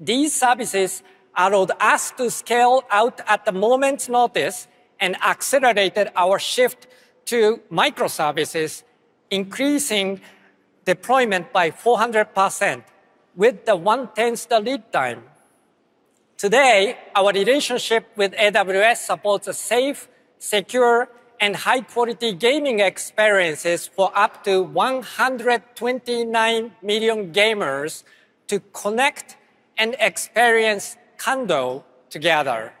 These services allowed us to scale out at the moment's notice and accelerated our shift to microservices, increasing deployment by 400% with the one-tenth lead time. Today, our relationship with AWS supports a safe, secure, and high-quality gaming experience for up to 129 million gamers to connect and experience Kando together.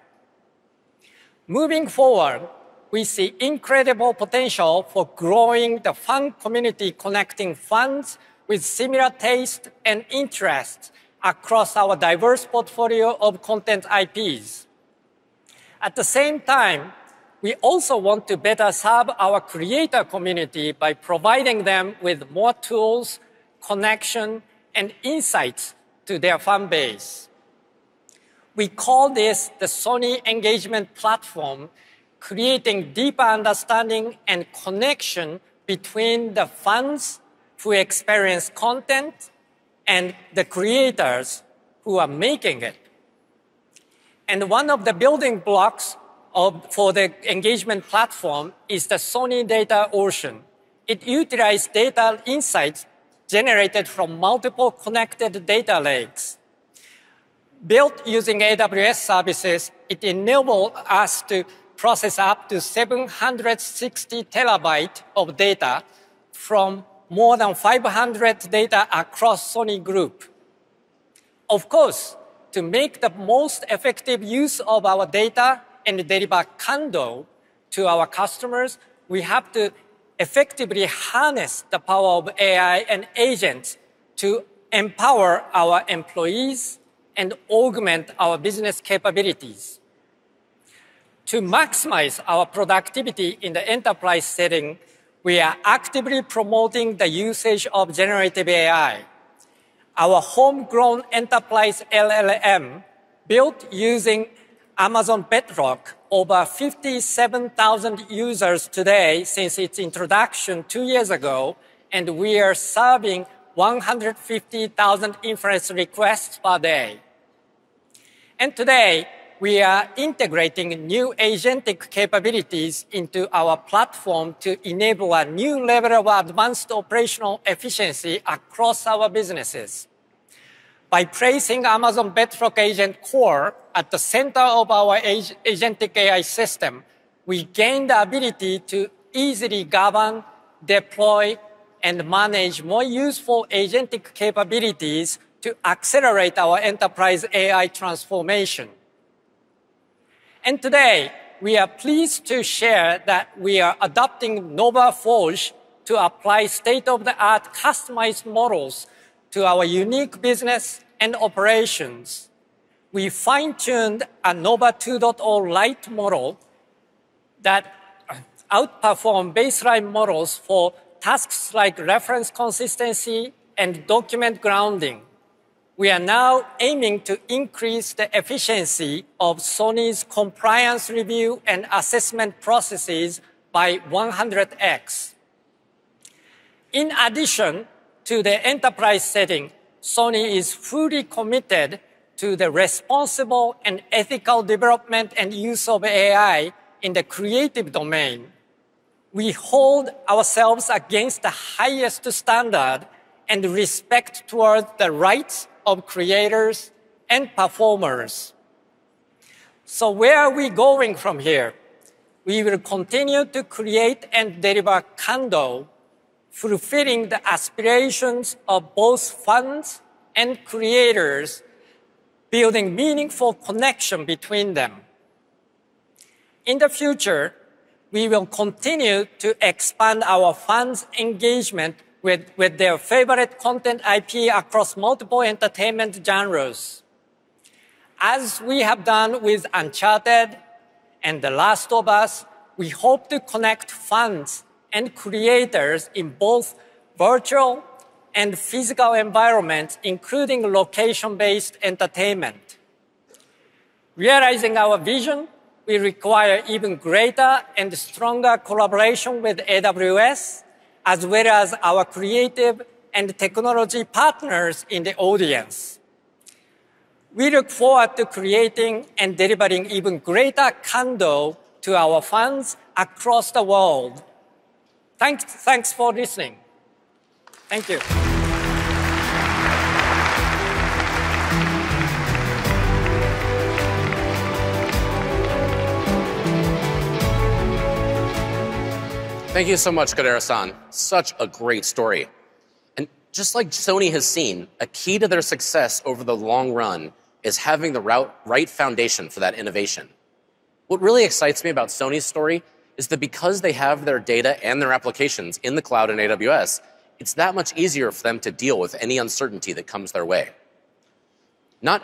Moving forward, we see incredible potential for growing the fan community, connecting fans with similar tastes and interests across our diverse portfolio of content IPs. At the same time, we also want to better serve our creator community by providing them with more tools, connection, and insights to their fan base. We call this the Sony Engagement Platform, creating deeper understanding and connection between the fans who experience content and the creators who are making it. And one of the building blocks for the engagement platform is the Sony Data Ocean. It utilizes data insights generated from multiple connected data lakes. Built using AWS services, it enables us to process up to 760 terabytes of data from more than 500 types of datasets across Sony Group. Of course, to make the most effective use of our data and deliver Kando to our customers, we have to effectively harness the power of AI and agents to empower our employees and augment our business capabilities. To maximize our productivity in the enterprise setting, we are actively promoting the usage of generative AI. Our homegrown enterprise LLM, built using Amazon Bedrock, has over 57,000 users today since its introduction two years ago, and we are serving 150,000 inference requests per day, and today we are integrating new agentic capabilities into our platform to enable a new level of advanced operational efficiency across our businesses. By placing Amazon Bedrock Agent Core at the center of our agentic AI system, we gain the ability to easily govern, deploy, and manage more useful agentic capabilities to accelerate our enterprise AI transformation. Today, we are pleased to share that we are adopting Nova Forge to apply state-of-the-art customized models to our unique business and operations. We fine-tuned a Nova 2.0 Lite model that outperforms baseline models for tasks like reference consistency and document grounding. We are now aiming to increase the efficiency of Sony's compliance review and assessment processes by 100x. In addition to the enterprise setting, Sony is fully committed to the responsible and ethical development and use of AI in the creative domain. We hold ourselves against the highest standard and respect towards the rights of creators and performers. Where are we going from here? We will continue to create and deliver Kando, fulfilling the aspirations of both fans and creators, building meaningful connections between them. In the future, we will continue to expand our fans' engagement with their favorite content IP across multiple entertainment genres. As we have done with Uncharted and The Last of Us, we hope to connect fans and creators in both virtual and physical environments, including location-based entertainment. Realizing our vision, we require even greater and stronger collaboration with AWS, as well as our creative and technology partners in the audience. We look forward to creating and delivering even greater Kando to our fans across the world. Thanks for listening. Thank you. Thank you so much, Kodera. Such a great story. And just like Sony has seen, a key to their success over the long run is having the right foundation for that innovation. What really excites me about Sony's story is that because they have their data and their applications in the cloud and AWS, it's that much easier for them to deal with any uncertainty that comes their way. Not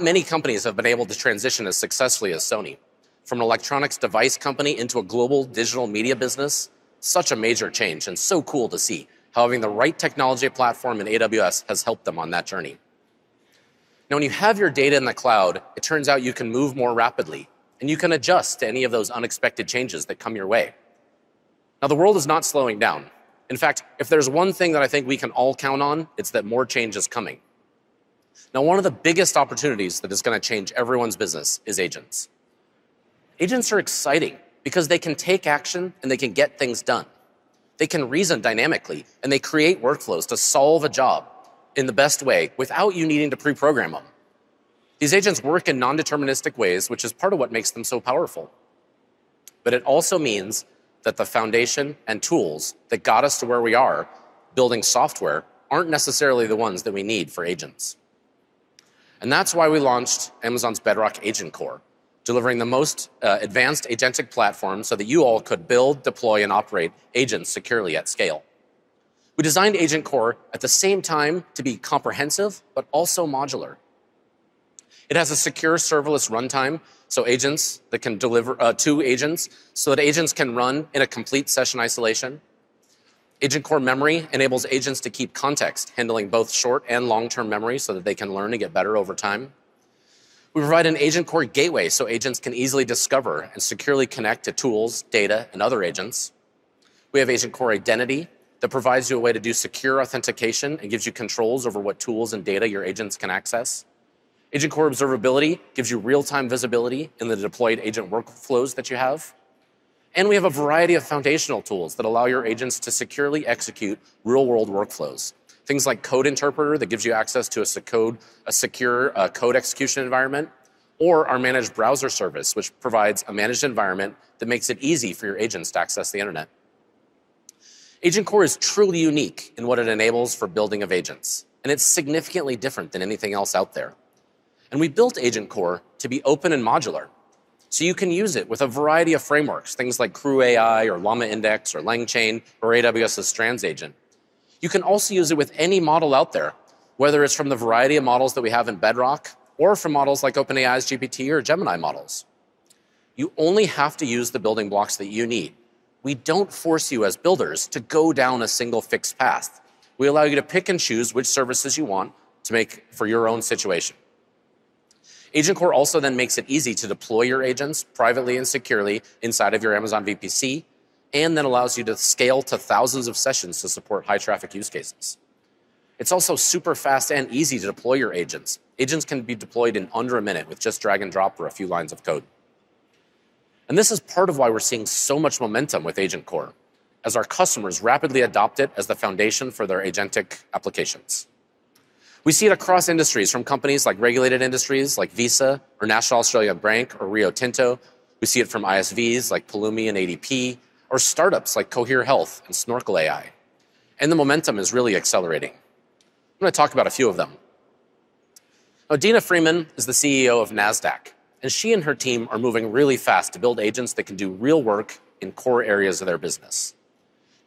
many companies have been able to transition as successfully as Sony. From an electronics device company into a global digital media business, such a major change and so cool to see how having the right technology platform in AWS has helped them on that journey. Now, when you have your data in the cloud, it turns out you can move more rapidly, and you can adjust to any of those unexpected changes that come your way. Now, the world is not slowing down. In fact, if there's one thing that I think we can all count on, it's that more change is coming. Now, one of the biggest opportunities that is going to change everyone's business is agents. Agents are exciting because they can take action and they can get things done. They can reason dynamically, and they create workflows to solve a job in the best way without you needing to pre-program them. These agents work in non-deterministic ways, which is part of what makes them so powerful. But it also means that the foundation and tools that got us to where we are building software aren't necessarily the ones that we need for agents. And that's why we launched Amazon Bedrock AgentCore, delivering the most advanced agentic platform so that you all could build, deploy, and operate agents securely at scale. We designed AgentCore at the same time to be comprehensive, but also modular. It has a secure, serverless runtime so agents can run with low-latency and extended runtimes so that agents can run in complete session isolation. Agent Core memory enables agents to keep context, handling both short and long-term memory so that they can learn and get better over time. We provide an Agent Core gateway so agents can easily discover and securely connect to tools, data, and other agents. We have Agent Core identity that provides you a way to do secure authentication and gives you controls over what tools and data your agents can access. Agent Core observability gives you real-time visibility in the deployed agent workflows that you have. We have a variety of foundational tools that allow your agents to securely execute real-world workflows, things like Code Interpreter that gives you access to a secure code execution environment, or our Managed Browser Service, which provides a managed environment that makes it easy for your agents to access the internet. Agent Core is truly unique in what it enables for building of agents, and it's significantly different than anything else out there. And we built Agent Core to be open and modular, so you can use it with a variety of frameworks, things like CrewAI or LlamaIndex or LangChain or AWS's Strands Agent. You can also use it with any model out there, whether it's from the variety of models that we have in Bedrock or from models like OpenAI's GPT or Gemini models. You only have to use the building blocks that you need. We don't force you as builders to go down a single fixed path. We allow you to pick and choose which services you want to make for your own situation. Agent Core also then makes it easy to deploy your agents privately and securely inside of your Amazon VPC, and then allows you to scale to thousands of sessions to support high-traffic use cases. It's also super fast and easy to deploy your agents. Agents can be deployed in under a minute with just drag and drop or a few lines of code. And this is part of why we're seeing so much momentum with Agent Core, as our customers rapidly adopt it as the foundation for their agentic applications. We see it across industries from companies like regulated industries like Visa or National Australia Bank or Rio Tinto. We see it from ISVs like Pulumi and ADP or startups like Cohere Health and Snorkel AI. And the momentum is really accelerating. I'm going to talk about a few of them. Now, Adena Friedman is the CEO of Nasdaq, and she and her team are moving really fast to build agents that can do real work in core areas of their business.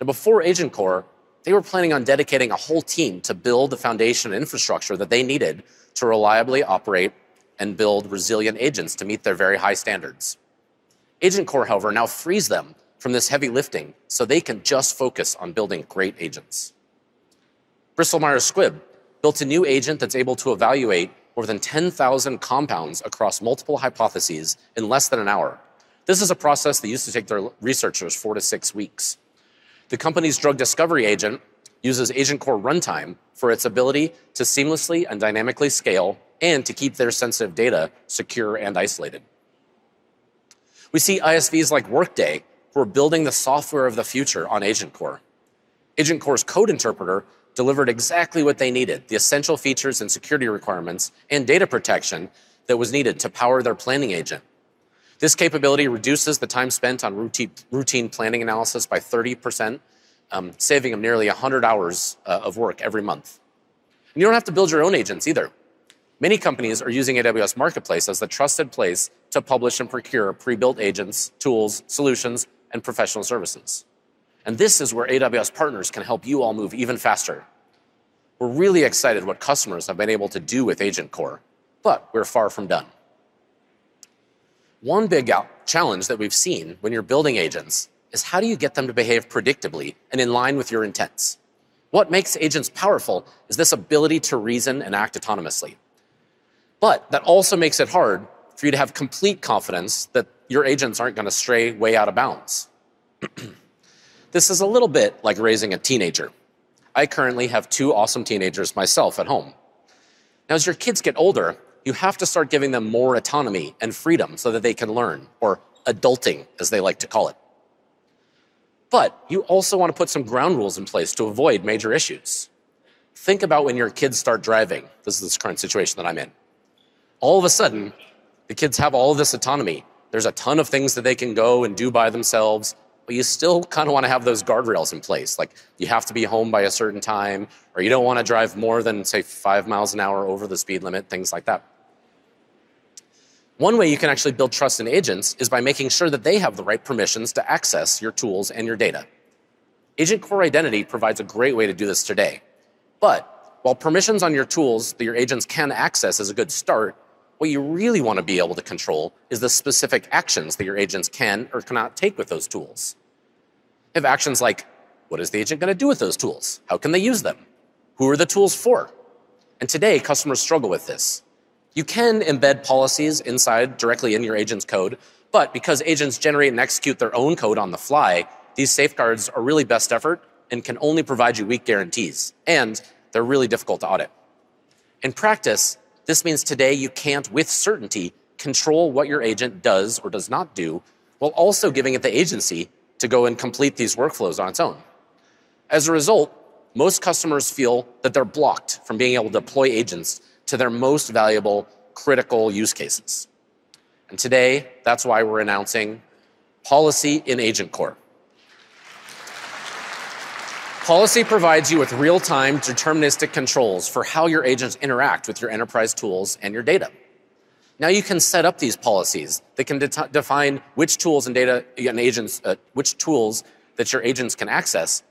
Now, before Agent Core, they were planning on dedicating a whole team to build the foundation and infrastructure that they needed to reliably operate and build resilient agents to meet their very high standards. Agent Core, however, now frees them from this heavy lifting so they can just focus on building great agents. Bristol Myers Squibb built a new agent that's able to evaluate more than 10,000 compounds across multiple hypotheses in less than an hour. This is a process that used to take their researchers four-to-six weeks. The company's drug discovery agent uses Agent Core runtime for its ability to seamlessly and dynamically scale and to keep their sensitive data secure and isolated. We see ISVs like Workday who are building the software of the future on Agent Core. Agent Core's Code Interpreter delivered exactly what they needed: the essential features and security requirements and data protection that was needed to power their planning agent. This capability reduces the time spent on routine planning analysis by 30%, saving them nearly 100 hours of work every month, and you don't have to build your own agents either. Many companies are using AWS Marketplace as the trusted place to publish and procure pre-built agents, tools, solutions, and professional services, and this is where AWS partners can help you all move even faster. We're really excited about what customers have been able to do with Agent Core, but we're far from done. One big challenge that we've seen when you're building agents is how do you get them to behave predictably and in line with your intents? What makes agents powerful is this ability to reason and act autonomously. But that also makes it hard for you to have complete confidence that your agents aren't going to stray way out of bounds. This is a little bit like raising a teenager. I currently have two awesome teenagers myself at home. Now, as your kids get older, you have to start giving them more autonomy and freedom so that they can learn, or adulting, as they like to call it. But you also want to put some ground rules in place to avoid major issues. Think about when your kids start driving. This is the current situation that I'm in. All of a sudden, the kids have all of this autonomy. There's a ton of things that they can go and do by themselves, but you still kind of want to have those guardrails in place, like you have to be home by a certain time, or you don't want to drive more than, say, five miles an hour over the speed limit, things like that. One way you can actually build trust in agents is by making sure that they have the right permissions to access your tools and your data. Agent Core identity provides a great way to do this today. But while permissions on your tools that your agents can access is a good start, what you really want to be able to control is the specific actions that your agents can or cannot take with those tools. You have actions like, what is the agent going to do with those tools? How can they use them? Who are the tools for? Today, customers struggle with this. You can embed policies inside directly in your agent's code, but because agents generate and execute their own code on the fly, these safeguards are really best effort and can only provide you weak guarantees, and they're really difficult to audit. In practice, this means today you can't, with certainty, control what your agent does or does not do while also giving it the agency to go and complete these workflows on its own. As a result, most customers feel that they're blocked from being able to deploy agents to their most valuable critical use cases. Today, that's why we're announcing Policy in Agent Core. Policy provides you with real-time deterministic controls for how your agents interact with your enterprise tools and your data. Now, you can set up these policies that can define which tools and data and agents, which tools that your agents can access,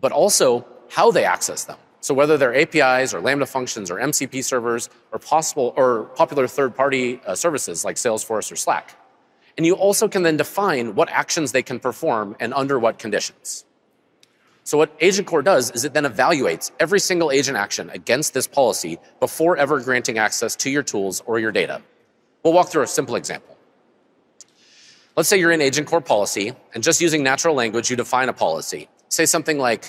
but also how they access them, so whether they're APIs or Lambda functions or MCP servers or possible or popular third-party services like Salesforce or Slack, and you also can then define what actions they can perform and under what conditions, so what AgentCore does is it then evaluates every single agent action against this policy before ever granting access to your tools or your data. We'll walk through a simple example. Let's say you're in AgentCore Policy, and just using natural language, you define a policy. Say something like,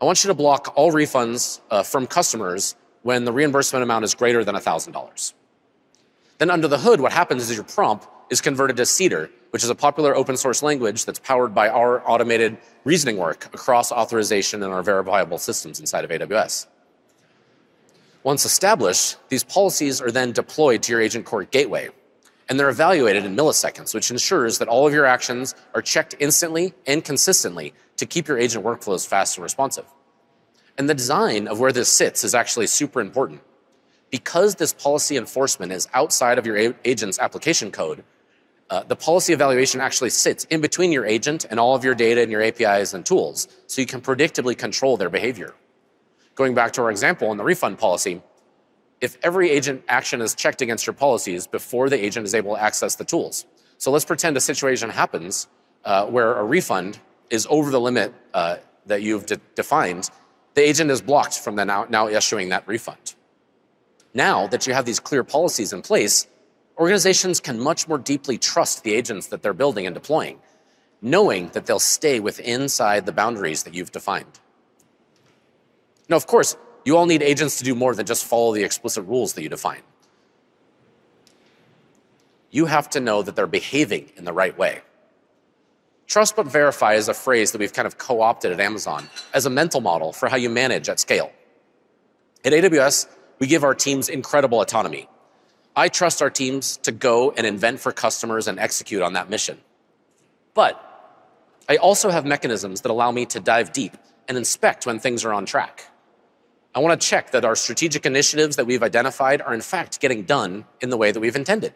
"I want you to block all refunds from customers when the reimbursement amount is greater than $1,000." Then, under the hood, what happens is your prompt is converted to Cedar, which is a popular open-source language that's powered by our automated reasoning work across authorization and our verifiable systems inside of AWS. Once established, these policies are then deployed to your Agent Core gateway, and they're evaluated in milliseconds, which ensures that all of your actions are checked instantly and consistently to keep your agent workflows fast and responsive. And the design of where this sits is actually super important. Because this policy enforcement is outside of your agent's application code, the policy evaluation actually sits in between your agent and all of your data and your APIs and tools, so you can predictably control their behavior. Going back to our example in the refund policy, if every agent action is checked against your policies before the agent is able to access the tools, so let's pretend a situation happens where a refund is over the limit that you've defined. The agent is blocked from now issuing that refund. Now that you have these clear policies in place, organizations can much more deeply trust the agents that they're building and deploying, knowing that they'll stay within the boundaries that you've defined. Now, of course, you all need agents to do more than just follow the explicit rules that you define. You have to know that they're behaving in the right way. Trust but verify is a phrase that we've kind of co-opted at Amazon as a mental model for how you manage at scale. At AWS, we give our teams incredible autonomy. I trust our teams to go and invent for customers and execute on that mission. But I also have mechanisms that allow me to dive deep and inspect when things are on track. I want to check that our strategic initiatives that we've identified are, in fact, getting done in the way that we've intended.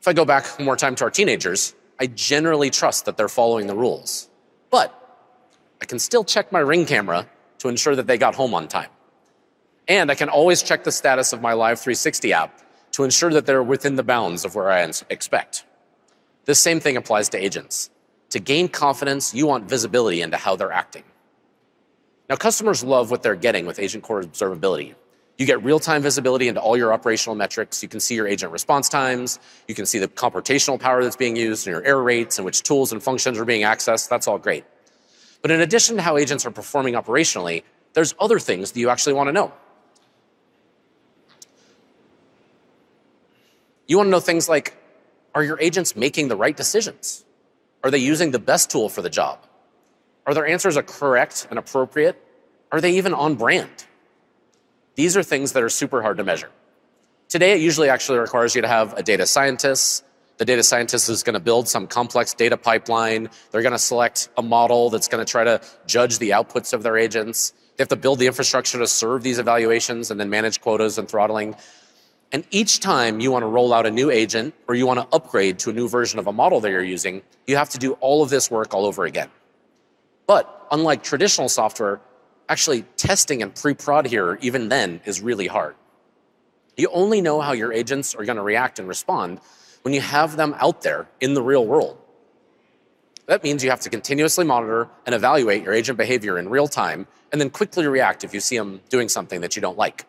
If I go back one more time to our teenagers, I generally trust that they're following the rules. But I can still check my Ring camera to ensure that they got home on time, and I can always check the status of my Life360 app to ensure that they're within the bounds of where I expect. This same thing applies to agents. To gain confidence, you want visibility into how they're acting. Now, customers love what they're getting with Agent Core observability. You get real-time visibility into all your operational metrics. You can see your agent response times. You can see the computational power that's being used and your error rates and which tools and functions are being accessed. That's all great. But in addition to how agents are performing operationally, there's other things that you actually want to know. You want to know things like, are your agents making the right decisions? Are they using the best tool for the job? Are their answers correct and appropriate? Are they even on-brand? These are things that are super hard to measure. Today, it usually actually requires you to have a data scientist. The data scientist is going to build some complex data pipeline. They're going to select a model that's going to try to judge the outputs of their agents. They have to build the infrastructure to serve these evaluations and then manage quotas and throttling. Each time you want to roll out a new agent or you want to upgrade to a new version of a model that you're using, you have to do all of this work all over again. Unlike traditional software, actually testing and pre-prod here even then is really hard. You only know how your agents are going to react and respond when you have them out there in the real world. That means you have to continuously monitor and evaluate your agent behavior in real time and then quickly react if you see them doing something that you don't like.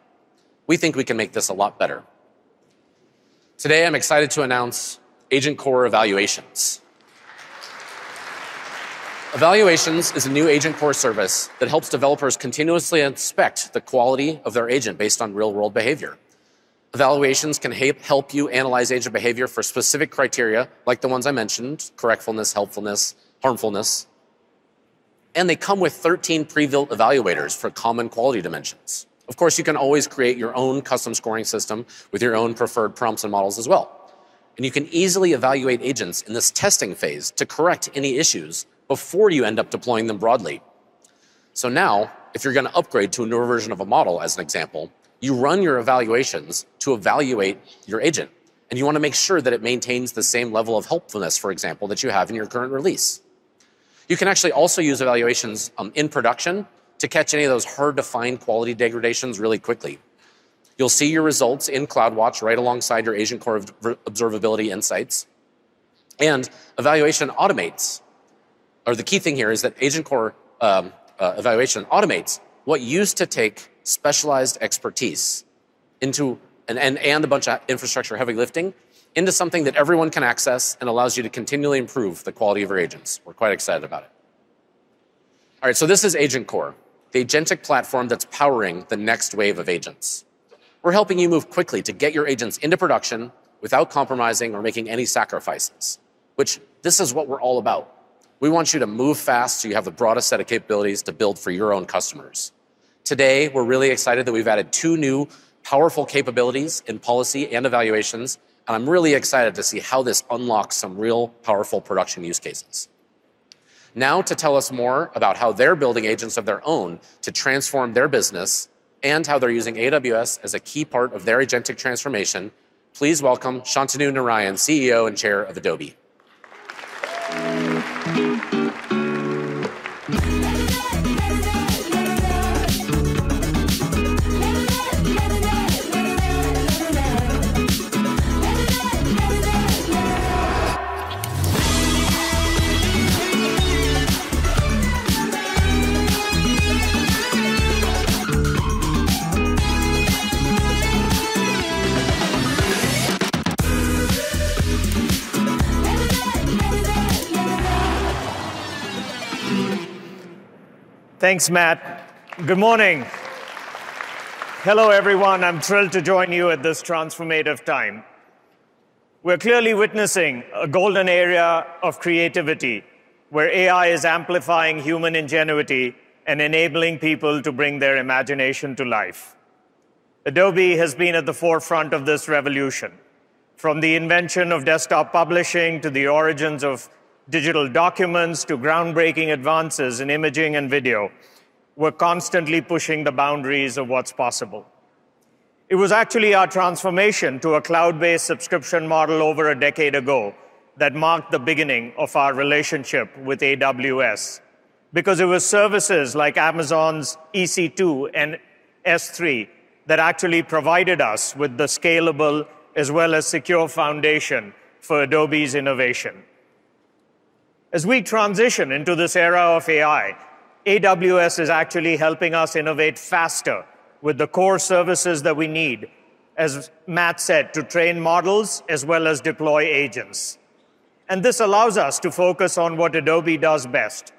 We think we can make this a lot better. Today, I'm excited to announce Agent Core evaluations. Evaluations is a new Agent Core service that helps developers continuously inspect the quality of their agent based on real-world behavior. Evaluations can help you analyze agent behavior for specific criteria like the ones I mentioned: correctfulness, helpfulness, harmfulness. And they come with 13 pre-built evaluators for common quality dimensions. Of course, you can always create your own custom scoring system with your own preferred prompts and models as well. And you can easily evaluate agents in this testing phase to correct any issues before you end up deploying them broadly. So now, if you're going to upgrade to a newer version of a model, as an example, you run your evaluations to evaluate your agent, and you want to make sure that it maintains the same level of helpfulness, for example, that you have in your current release. You can actually also use evaluations in production to catch any of those hard-to-find quality degradations really quickly. You'll see your results in CloudWatch right alongside your Agent Core observability insights. The key thing here is that Agent Core evaluation automates what used to take specialized expertise and a bunch of infrastructure heavy lifting into something that everyone can access and allows you to continually improve the quality of your agents. We're quite excited about it. All right, so this is Agent Core, the agentic platform that's powering the next wave of agents. We're helping you move quickly to get your agents into production without compromising or making any sacrifices, which, this is what we're all about. We want you to move fast so you have the broadest set of capabilities to build for your own customers. Today, we're really excited that we've added two new powerful capabilities in policy and evaluations, and I'm really excited to see how this unlocks some real powerful production use cases. Now, to tell us more about how they're building agents of their own to transform their business and how they're using AWS as a key part of their agentic transformation, please welcome Shantanu Narayen, CEO and Chair of Adobe. Thanks, Matt. Good morning. Hello, everyone. I'm thrilled to join you at this transformative time. We're clearly witnessing a golden era of creativity where AI is amplifying human ingenuity and enabling people to bring their imagination to life. Adobe has been at the forefront of this revolution. From the invention of desktop publishing to the origins of digital documents to groundbreaking advances in imaging and video, we're constantly pushing the boundaries of what's possible. It was actually our transformation to a cloud-based subscription model over a decade ago that marked the beginning of our relationship with AWS, because it was services like Amazon's EC2 and S3 that actually provided us with the scalable as well as secure foundation for Adobe's innovation. As we transition into this era of AI, AWS is actually helping us innovate faster with the core services that we need, as Matt said, to train models as well as deploy agents. And this allows us to focus on what Adobe does best: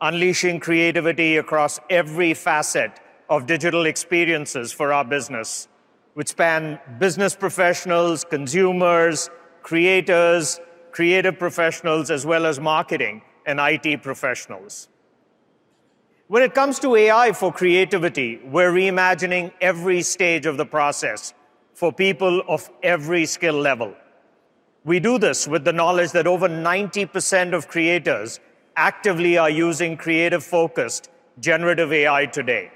unleashing creativity across every facet of digital experiences for our business, which spans business professionals, consumers, creators, creative professionals, as well as marketing and IT professionals. When it comes to AI for creativity, we're reimagining every stage of the process for people of every skill level. We do this with the knowledge that over 90% of creators actively are using creative-focused generative AI today.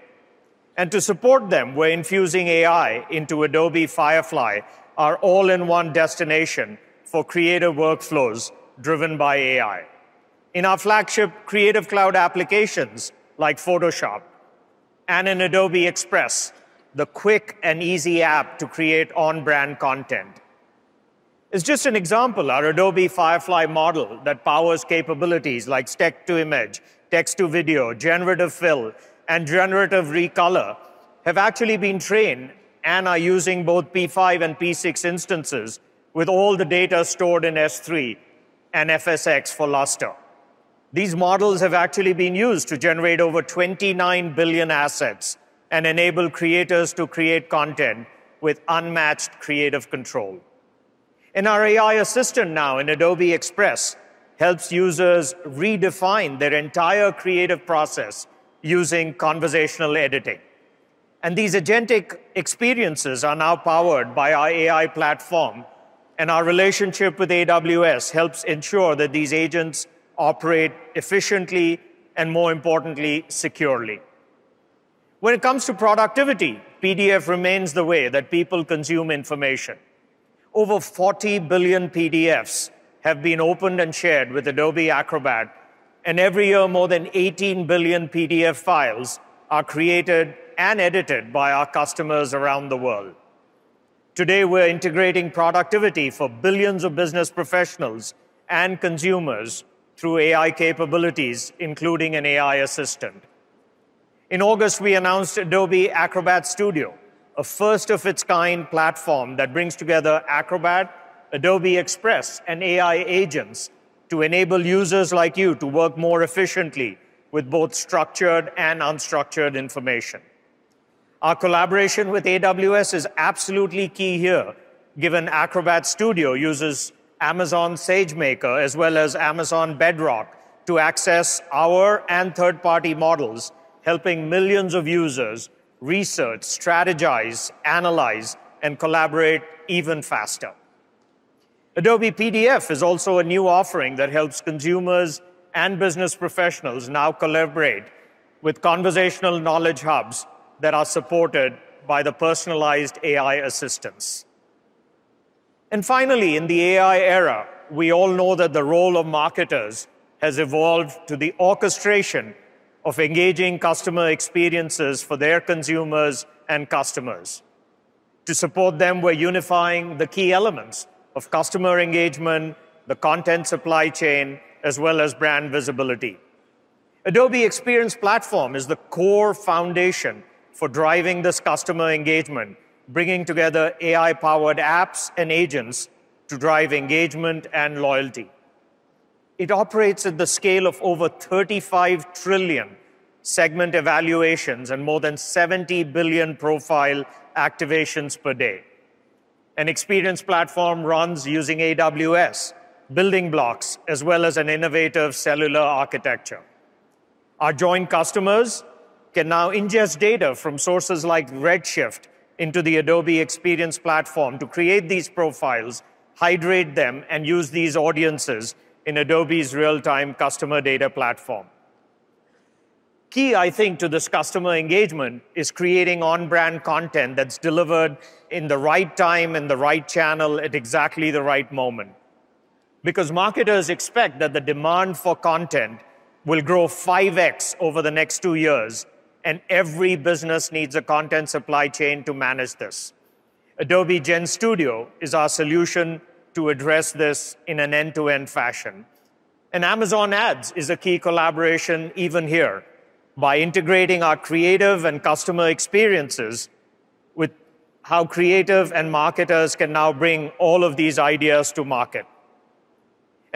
To support them, we're infusing AI into Adobe Firefly, our all-in-one destination for creative workflows driven by AI. In our flagship Creative Cloud applications like Photoshop and in Adobe Express, the quick and easy app to create on-brand content. As just an example, our Adobe Firefly model that powers capabilities like Stack to Image, Text to Video, Generative Fill, and Generative Recolor have actually been trained and are using both P5 and P6 instances with all the data stored in S3 and FSx for Lustre. These models have actually been used to generate over 29 billion assets and enable creators to create content with unmatched creative control. Our AI assistant now in Adobe Express helps users redefine their entire creative process using conversational editing. And these agentic experiences are now powered by our AI platform, and our relationship with AWS helps ensure that these agents operate efficiently and, more importantly, securely. When it comes to productivity, PDF remains the way that people consume information. Over 40 billion PDFs have been opened and shared with Adobe Acrobat, and every year, more than 18 billion PDF files are created and edited by our customers around the world. Today, we're integrating productivity for billions of business professionals and consumers through AI capabilities, including an AI assistant. In August, we announced Adobe Acrobat Studio, a first-of-its-kind platform that brings together Acrobat, Adobe Express, and AI agents to enable users like you to work more efficiently with both structured and unstructured information. Our collaboration with AWS is absolutely key here, given Acrobat Studio uses Amazon SageMaker as well as Amazon Bedrock to access our and third-party models, helping millions of users research, strategize, analyze, and collaborate even faster. Adobe PDF is also a new offering that helps consumers and business professionals now collaborate with conversational knowledge hubs that are supported by the personalized AI assistants. And finally, in the AI era, we all know that the role of marketers has evolved to the orchestration of engaging customer experiences for their consumers and customers. To support them, we're unifying the key elements of customer engagement, the content supply chain, as well as brand visibility. Adobe Experience Platform is the core foundation for driving this customer engagement, bringing together AI-powered apps and agents to drive engagement and loyalty. It operates at the scale of over 35 trillion segment evaluations and more than 70 billion profile activations per day. An experience platform runs using AWS building blocks as well as an innovative cellular architecture. Our joint customers can now ingest data from sources like Redshift into the Adobe Experience Platform to create these profiles, hydrate them, and use these audiences in Adobe's real-time customer data platform. Key, I think, to this customer engagement is creating on-brand content that's delivered in the right time and the right channel at exactly the right moment. Because marketers expect that the demand for content will grow 5x over the next two years, and every business needs a content supply chain to manage this. Adobe Gen Studio is our solution to address this in an end-to-end fashion. Amazon Ads is a key collaboration even here by integrating our creative and customer experiences with how creative and marketers can now bring all of these ideas to market.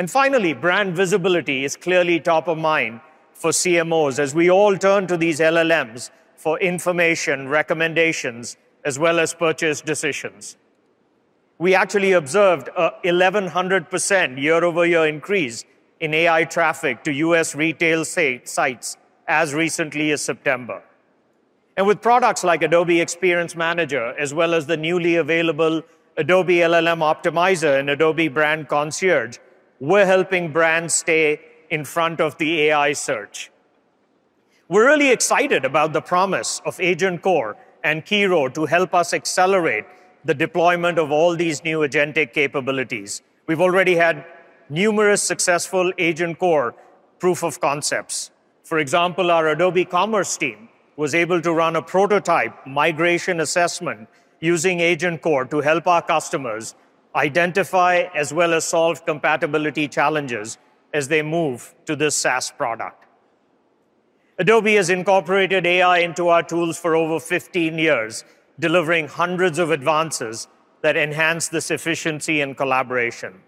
Finally, brand visibility is clearly top of mind for CMOs as we all turn to these LLMs for information, recommendations, as well as purchase decisions. We actually observed a 1,100% year-over-year increase in AI traffic to U.S. retail sites as recently as September. With products like Adobe Experience Manager, as well as the newly available Adobe LLM Optimizer and Adobe Brand Concierge, we're helping brands stay in front of the AI search. We're really excited about the promise of Agent Core and Bedrock to help us accelerate the deployment of all these new agentic capabilities. We've already had numerous successful Agent Core proof of concepts. For example, our Adobe Commerce team was able to run a prototype migration assessment using Agent Core to help our customers identify as well as solve compatibility challenges as they move to this SaaS product. Adobe has incorporated AI into our tools for over 15 years, delivering hundreds of advances that enhance this efficiency and collaboration.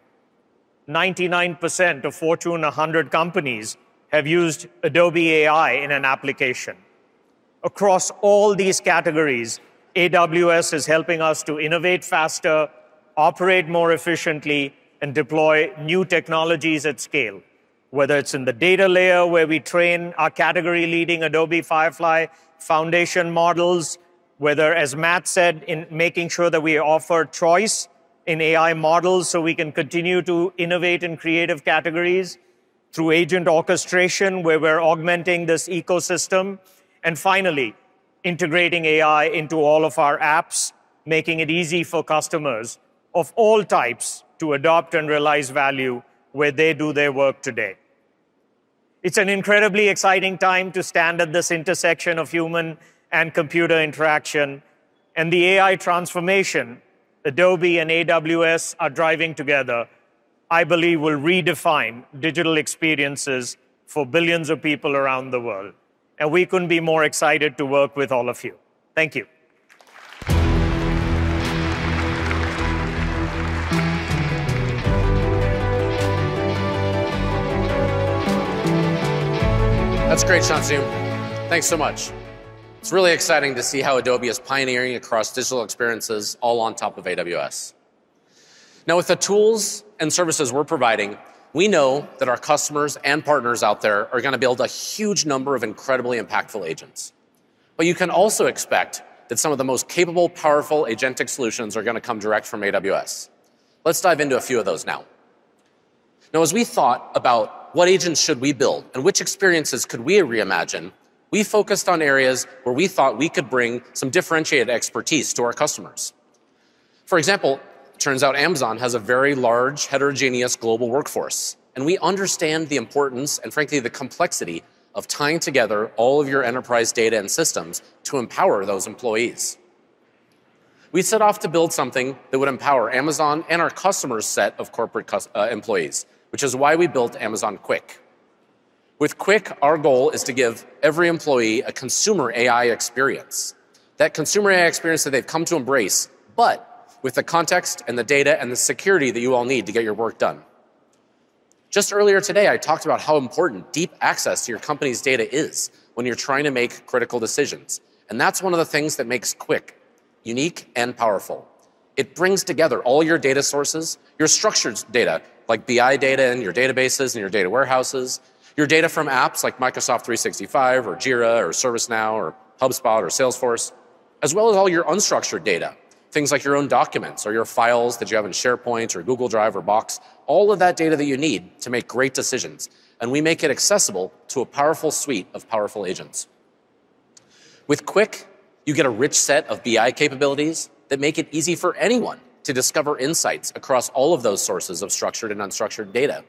99% of Fortune 100 companies have used Adobe AI in an application. Across all these categories, AWS is helping us to innovate faster, operate more efficiently, and deploy new technologies at scale, whether it's in the data layer where we train our category-leading Adobe Firefly foundation models, whether, as Matt said, in making sure that we offer choice in AI models so we can continue to innovate in creative categories through agent orchestration, where we're augmenting this ecosystem, and finally, integrating AI into all of our apps, making it easy for customers of all types to adopt and realize value where they do their work today. It's an incredibly exciting time to stand at this intersection of human and computer interaction. And the AI transformation Adobe and AWS are driving together, I believe, will redefine digital experiences for billions of people around the world. And we couldn't be more excited to work with all of you. Thank you. That's great, Shantanu. Thanks so much. It's really exciting to see how Adobe is pioneering across digital experiences all on top of AWS. Now, with the tools and services we're providing, we know that our customers and partners out there are going to build a huge number of incredibly impactful agents. But you can also expect that some of the most capable, powerful agentic solutions are going to come direct from AWS. Let's dive into a few of those now. Now, as we thought about what agents should we build and which experiences could we reimagine, we focused on areas where we thought we could bring some differentiated expertise to our customers. For example, it turns out Amazon has a very large, heterogeneous global workforce, and we understand the importance and, frankly, the complexity of tying together all of your enterprise data and systems to empower those employees. We set off to build something that would empower Amazon and our customer set of corporate employees, which is why we built Amazon Quick. With Quick, our goal is to give every employee a consumer AI experience, that consumer AI experience that they've come to embrace, but with the context and the data and the security that you all need to get your work done. Just earlier today, I talked about how important deep access to your company's data is when you're trying to make critical decisions. And that's one of the things that makes Quick unique and powerful. It brings together all your data sources, your structured data like BI data and your databases and your data warehouses, your data from apps like Microsoft 365 or Jira or ServiceNow or HubSpot or Salesforce, as well as all your unstructured data, things like your own documents or your files that you have in SharePoint or Google Drive or Box, all of that data that you need to make great decisions. We make it accessible to a powerful suite of powerful agents. With Quick, you get a rich set of BI capabilities that make it easy for anyone to discover insights across all of those sources of structured and unstructured data.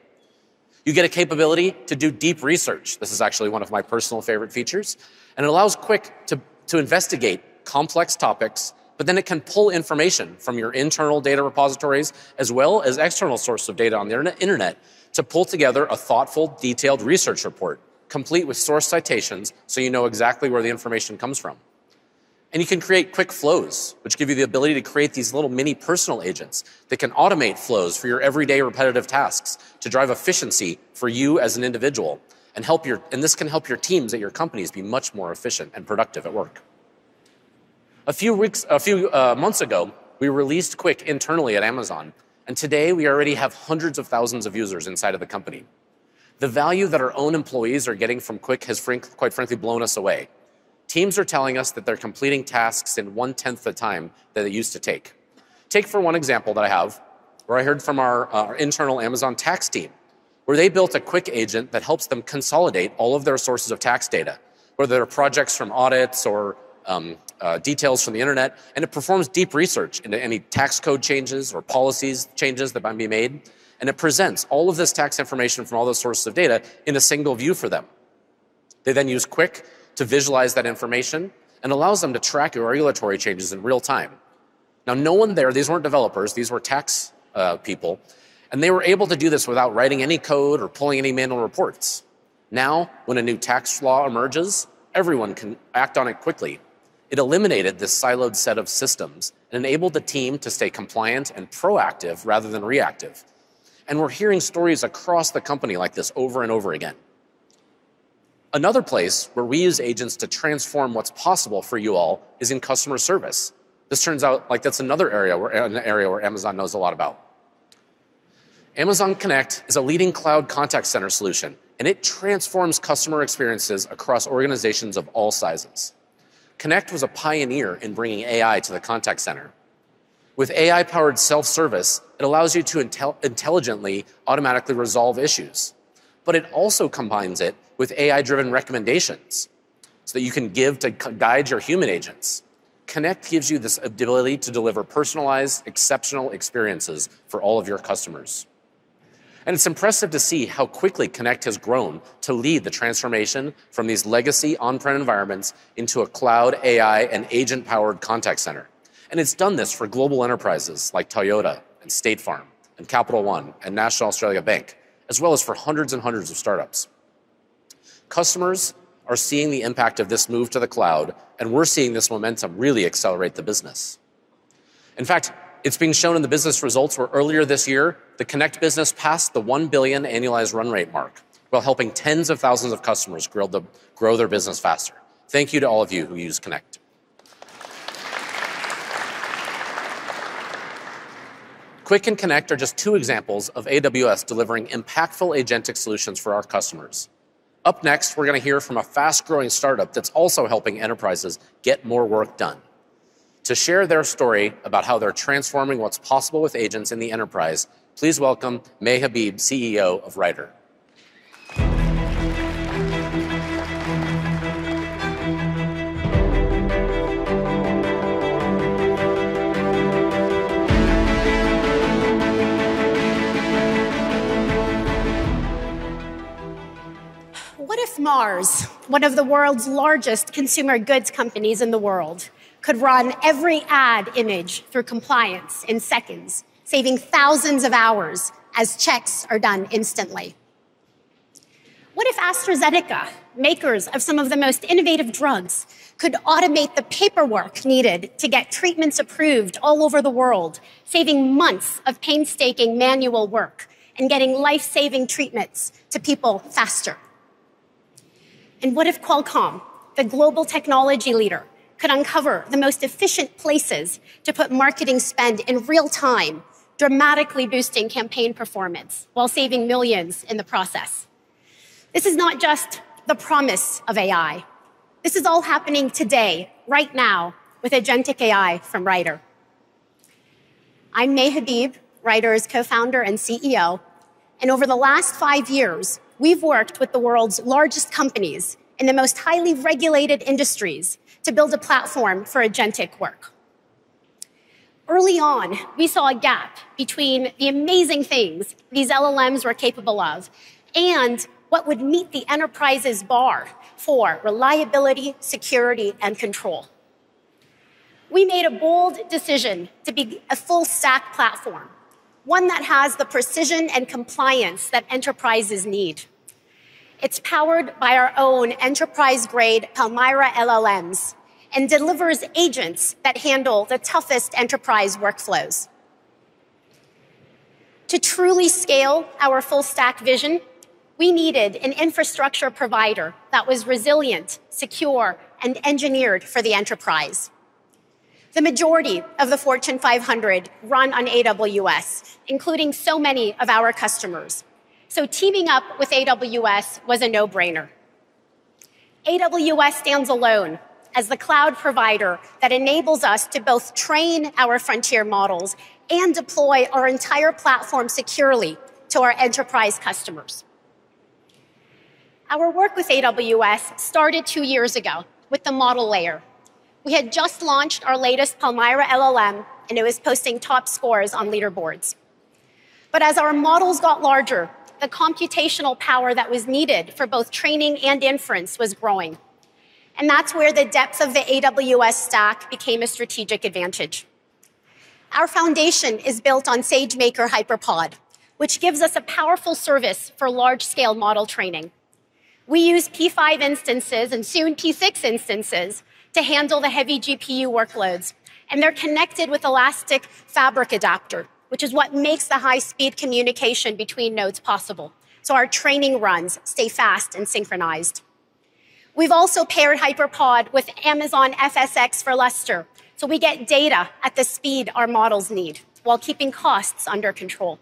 You get a capability to do deep research. This is actually one of my personal favorite features. It allows Quick to investigate complex topics, but then it can pull information from your internal data repositories as well as external sources of data on the internet to pull together a thoughtful, detailed research report complete with source citations so you know exactly where the information comes from. You can create Quick Flows, which give you the ability to create these little mini personal agents that can automate flows for your everyday repetitive tasks to drive efficiency for you as an individual and help your teams at your companies be much more efficient and productive at work. A few months ago, we released Quick internally at Amazon. Today, we already have hundreds of thousands of users inside of the company. The value that our own employees are getting from Quick has, quite frankly, blown us away. Teams are telling us that they're completing tasks in one-tenth the time that it used to take. Take for one example that I have, where I heard from our internal Amazon tax team, where they built a Quick agent that helps them consolidate all of their sources of tax data, whether they're projects from audits or details from the internet. And it performs deep research into any tax code changes or policies changes that might be made. And it presents all of this tax information from all those sources of data in a single view for them. They then use Quick to visualize that information and allows them to track regulatory changes in real time. Now, no one there, these weren't developers. These were tax people. And they were able to do this without writing any code or pulling any manual reports. Now, when a new tax law emerges, everyone can act on it quickly. It eliminated this siloed set of systems and enabled the team to stay compliant and proactive rather than reactive. And we're hearing stories across the company like this over and over again. Another place where we use agents to transform what's possible for you all is in customer service. This turns out like that's another area where Amazon knows a lot about. Amazon Connect is a leading cloud contact center solution. And it transforms customer experiences across organizations of all sizes. Connect was a pioneer in bringing AI to the contact center. With AI-powered self-service, it allows you to intelligently automatically resolve issues. But it also combines it with AI-driven recommendations so that you can give to guide your human agents. Connect gives you this ability to deliver personalized, exceptional experiences for all of your customers. It's impressive to see how quickly Connect has grown to lead the transformation from these legacy on-prem environments into a cloud AI and agent-powered contact center. It's done this for global enterprises like Toyota and State Farm and Capital One and National Australia Bank, as well as for hundreds and hundreds of startups. Customers are seeing the impact of this move to the cloud. We're seeing this momentum really accelerate the business. In fact, it's being shown in the business results where earlier this year, the Connect business passed the $1 billion annualized run rate mark while helping tens of thousands of customers grow their business faster. Thank you to all of you who use Connect. Quick and Connect are just two examples of AWS delivering impactful agentic solutions for our customers. Up next, we're going to hear from a fast-growing startup that's also helping enterprises get more work done. To share their story about how they're transforming what's possible with agents in the enterprise, please welcome May Habib, CEO of Writer. What if Mars, one of the world's largest consumer goods companies in the world, could run every ad image through compliance in seconds, saving thousands of hours as checks are done instantly? What if AstraZeneca, makers of some of the most innovative drugs, could automate the paperwork needed to get treatments approved all over the world, saving months of painstaking manual work and getting life-saving treatments to people faster? And what if Qualcomm, the global technology leader, could uncover the most efficient places to put marketing spend in real time, dramatically boosting campaign performance while saving millions in the process? This is not just the promise of AI. This is all happening today, right now, with agentic AI from Writer. I'm May Habib, Writer's co-founder and CEO, and over the last five years, we've worked with the world's largest companies in the most highly regulated industries to build a platform for agentic work. Early on, we saw a gap between the amazing things these LLMs were capable of and what would meet the enterprise's bar for reliability, security, and control. We made a bold decision to be a full-stack platform, one that has the precision and compliance that enterprises need. It's powered by our own enterprise-grade Palmyra LLMs and delivers agents that handle the toughest enterprise workflows. To truly scale our full-stack vision, we needed an infrastructure provider that was resilient, secure, and engineered for the enterprise. The majority of the Fortune 500 run on AWS, including so many of our customers. Teaming up with AWS was a no-brainer. AWS stands alone as the cloud provider that enables us to both train our frontier models and deploy our entire platform securely to our enterprise customers. Our work with AWS started two years ago with the model layer. We had just launched our latest Palmyra LLM, and it was posting top scores on leaderboards. But as our models got larger, the computational power that was needed for both training and inference was growing. And that's where the depth of the AWS stack became a strategic advantage. Our foundation is built on SageMaker HyperPod, which gives us a powerful service for large-scale model training. We use P5 instances and soon P6 instances to handle the heavy GPU workloads. And they're connected with Elastic Fabric Adapter, which is what makes the high-speed communication between nodes possible. So our training runs stay fast and synchronized. We've also paired HyperPod with Amazon FSx for Lustre. So we get data at the speed our models need while keeping costs under control.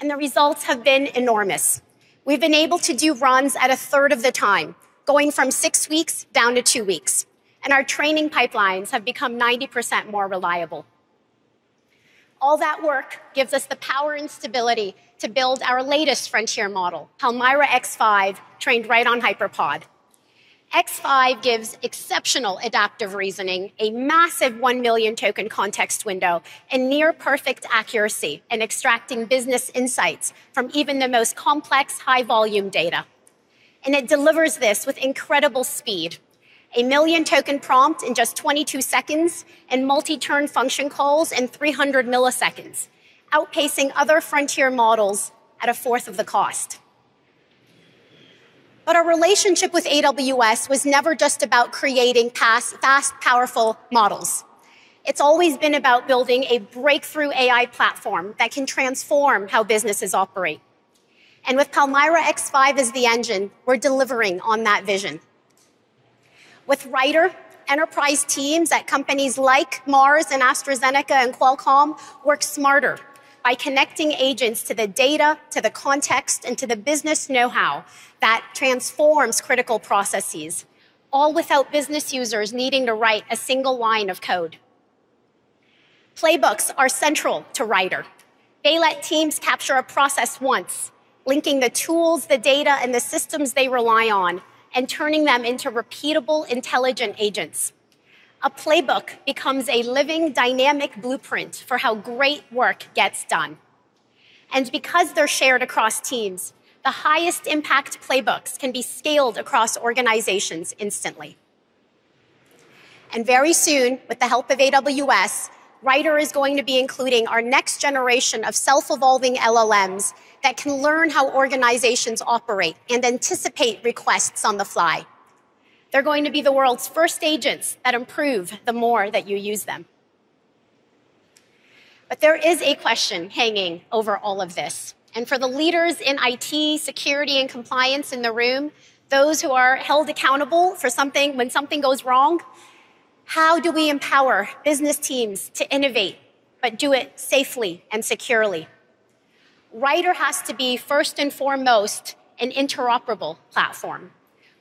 And the results have been enormous. We've been able to do runs at a third of the time, going from six weeks down to two weeks. And our training pipelines have become 90% more reliable. All that work gives us the power and stability to build our latest frontier model, Palmyra X5, trained right on HyperPod. X5 gives exceptional adaptive reasoning, a massive one million token context window, and near-perfect accuracy in extracting business insights from even the most complex high-volume data. And it delivers this with incredible speed: a million token prompt in just 22 seconds and multi-turn function calls in 300 milliseconds, outpacing other frontier models at a fourth of the cost. But our relationship with AWS was never just about creating fast, powerful models. It's always been about building a breakthrough AI platform that can transform how businesses operate. And with Palmyra X5 as the engine, we're delivering on that vision. With Writer, enterprise teams at companies like Mars and AstraZeneca and Qualcomm work smarter by connecting agents to the data, to the context, and to the business know-how that transforms critical processes, all without business users needing to write a single line of code. Playbooks are central to Writer. They let teams capture a process once, linking the tools, the data, and the systems they rely on and turning them into repeatable, intelligent agents. A playbook becomes a living, dynamic blueprint for how great work gets done. And because they're shared across teams, the highest impact playbooks can be scaled across organizations instantly. And very soon, with the help of AWS, Writer is going to be including our next generation of self-evolving LLMs that can learn how organizations operate and anticipate requests on the fly. They're going to be the world's first agents that improve the more that you use them. But there is a question hanging over all of this. And for the leaders in IT, security, and compliance in the room, those who are held accountable for something when something goes wrong, how do we empower business teams to innovate but do it safely and securely? Writer has to be first and foremost an interoperable platform,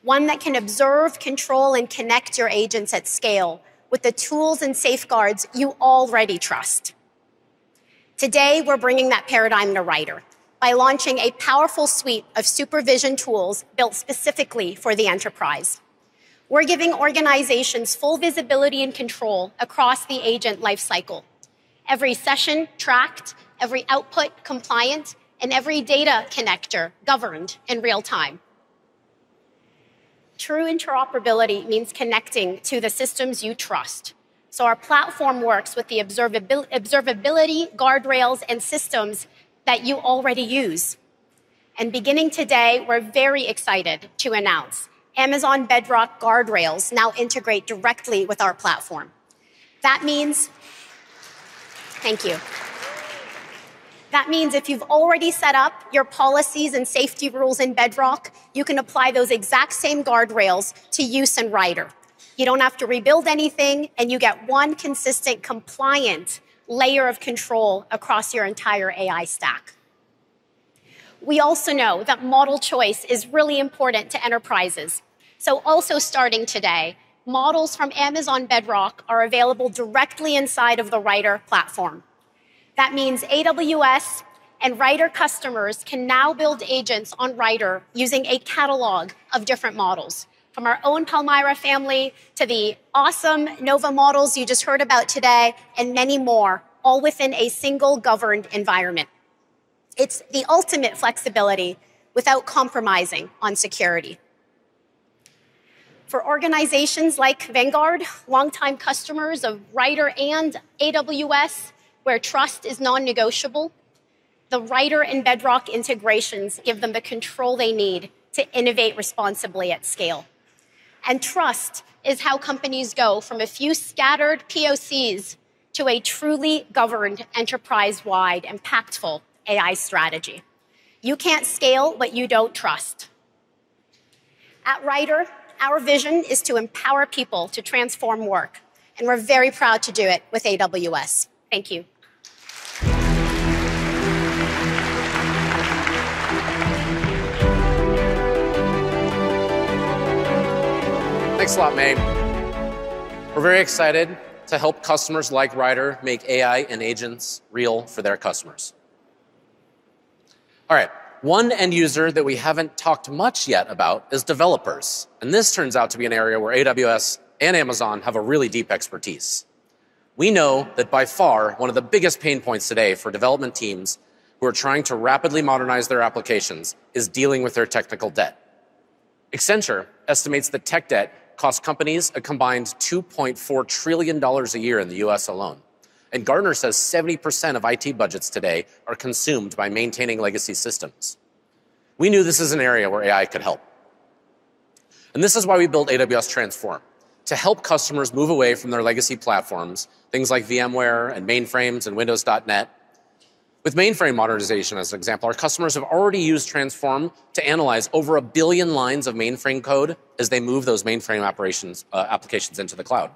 one that can observe, control, and connect your agents at scale with the tools and safeguards you already trust. Today, we're bringing that paradigm to Writer by launching a powerful suite of supervision tools built specifically for the enterprise. We're giving organizations full visibility and control across the agent lifecycle: every session tracked, every output compliant, and every data connector governed in real time. True interoperability means connecting to the systems you trust. So our platform works with the observability, guardrails, and systems that you already use. And beginning today, we're very excited to announce Amazon Bedrock Guardrails now integrate directly with our platform. That means, thank you. That means if you've already set up your policies and safety rules in Bedrock, you can apply those exact same guardrails to use in Writer. You don't have to rebuild anything, and you get one consistent compliant layer of control across your entire AI stack. We also know that model choice is really important to enterprises. So also starting today, models from Amazon Bedrock are available directly inside of the Writer platform. That means AWS and Writer customers can now build agents on Writer using a catalog of different models, from our own Palmyra family to the awesome Nova models you just heard about today and many more, all within a single governed environment. It's the ultimate flexibility without compromising on security. For organizations like Vanguard, longtime customers of Writer and AWS, where trust is non-negotiable, the Writer and Bedrock integrations give them the control they need to innovate responsibly at scale, and trust is how companies go from a few scattered POCs to a truly governed enterprise-wide impactful AI strategy. You can't scale what you don't trust. At Writer, our vision is to empower people to transform work, and we're very proud to do it with AWS. Thank you. Thanks a lot, May. We're very excited to help customers like Writer make AI and agents real for their customers. All right, one end user that we haven't talked much yet about is developers. And this turns out to be an area where AWS and Amazon have a really deep expertise. We know that by far one of the biggest pain points today for development teams who are trying to rapidly modernize their applications is dealing with their technical debt. Accenture estimates that tech debt costs companies a combined $2.4 trillion a year in the U.S. alone. And Gartner says 70% of IT budgets today are consumed by maintaining legacy systems. We knew this is an area where AI could help. And this is why we built AWS Transform, to help customers move away from their legacy platforms, things like VMware and mainframes and Windows .NET. With mainframe modernization, as an example, our customers have already used Transform to analyze over a billion lines of mainframe code as they move those mainframe applications into the cloud.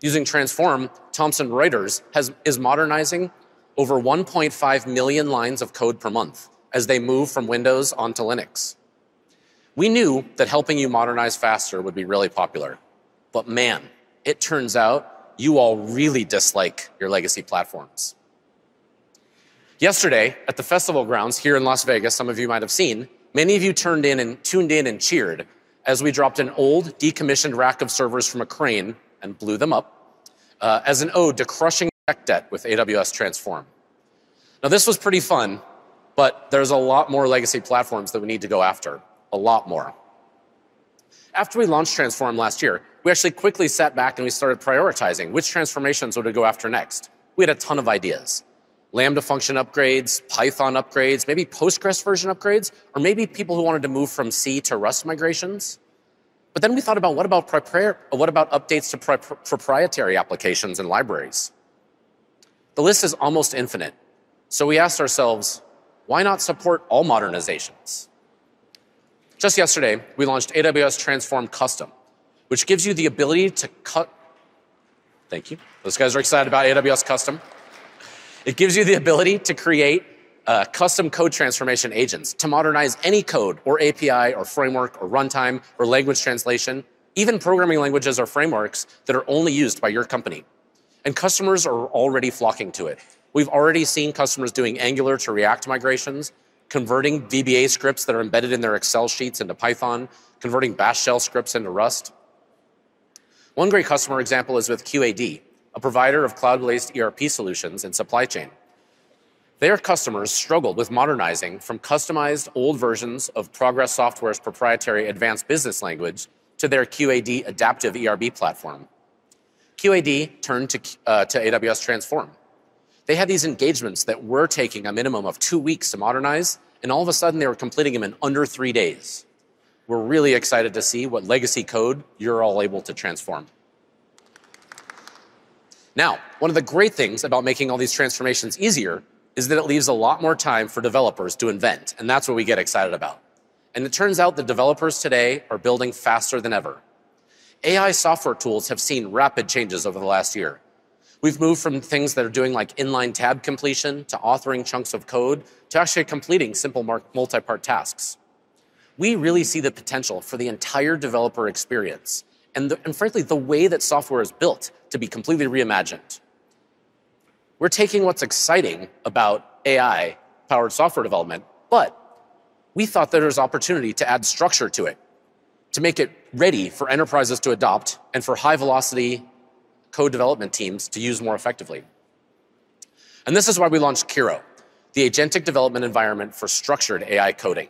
Using Transform, Thomson Reuters is modernizing over 1.5 million lines of code per month as they move from Windows onto Linux. We knew that helping you modernize faster would be really popular. But man, it turns out you all really dislike your legacy platforms. Yesterday at the festival grounds here in Las Vegas, some of you might have seen, many of you turned in and tuned in and cheered as we dropped an old decommissioned rack of servers from a crane and blew them up as an ode to crushing tech debt with AWS Transform. Now, this was pretty fun, but there's a lot more legacy platforms that we need to go after, a lot more. After we launched Transform last year, we actually quickly sat back and we started prioritizing which transformations would we go after next. We had a ton of ideas: Lambda function upgrades, Python upgrades, maybe Postgres version upgrades, or maybe people who wanted to move from C to Rust migrations. But then we thought about, what about updates to proprietary applications and libraries? The list is almost infinite. So we asked ourselves, why not support all modernizations? Just yesterday, we launched AWS Transform Custom, which gives you the ability to custom. Thank you. Those guys are excited about AWS Custom. It gives you the ability to create custom code transformation agents to modernize any code or API or framework or runtime or language translation, even programming languages or frameworks that are only used by your company. And customers are already flocking to it. We've already seen customers doing Angular to React migrations, converting VBA scripts that are embedded in their Excel sheets into Python, converting Bash shell scripts into Rust. One great customer example is with QAD, a provider of cloud-based ERP solutions and supply chain. Their customers struggled with modernizing from customized old versions of Progress Software's proprietary Advanced Business Language to their QAD Adaptive ERP platform. QAD turned to AWS Transform. They had these engagements that were taking a minimum of two weeks to modernize, and all of a sudden, they were completing them in under three days. We're really excited to see what legacy code you're all able to transform. Now, one of the great things about making all these transformations easier is that it leaves a lot more time for developers to invent, and that's what we get excited about. It turns out that developers today are building faster than ever. AI software tools have seen rapid changes over the last year. We've moved from things that are doing like inline tab completion to authoring chunks of code to actually completing simple multipart tasks. We really see the potential for the entire developer experience and, frankly, the way that software is built to be completely reimagined. We're taking what's exciting about AI-powered software development, but we thought there was opportunity to add structure to it, to make it ready for enterprises to adopt and for high-velocity code development teams to use more effectively. This is why we launched Kiro, the agentic development environment for structured AI coding.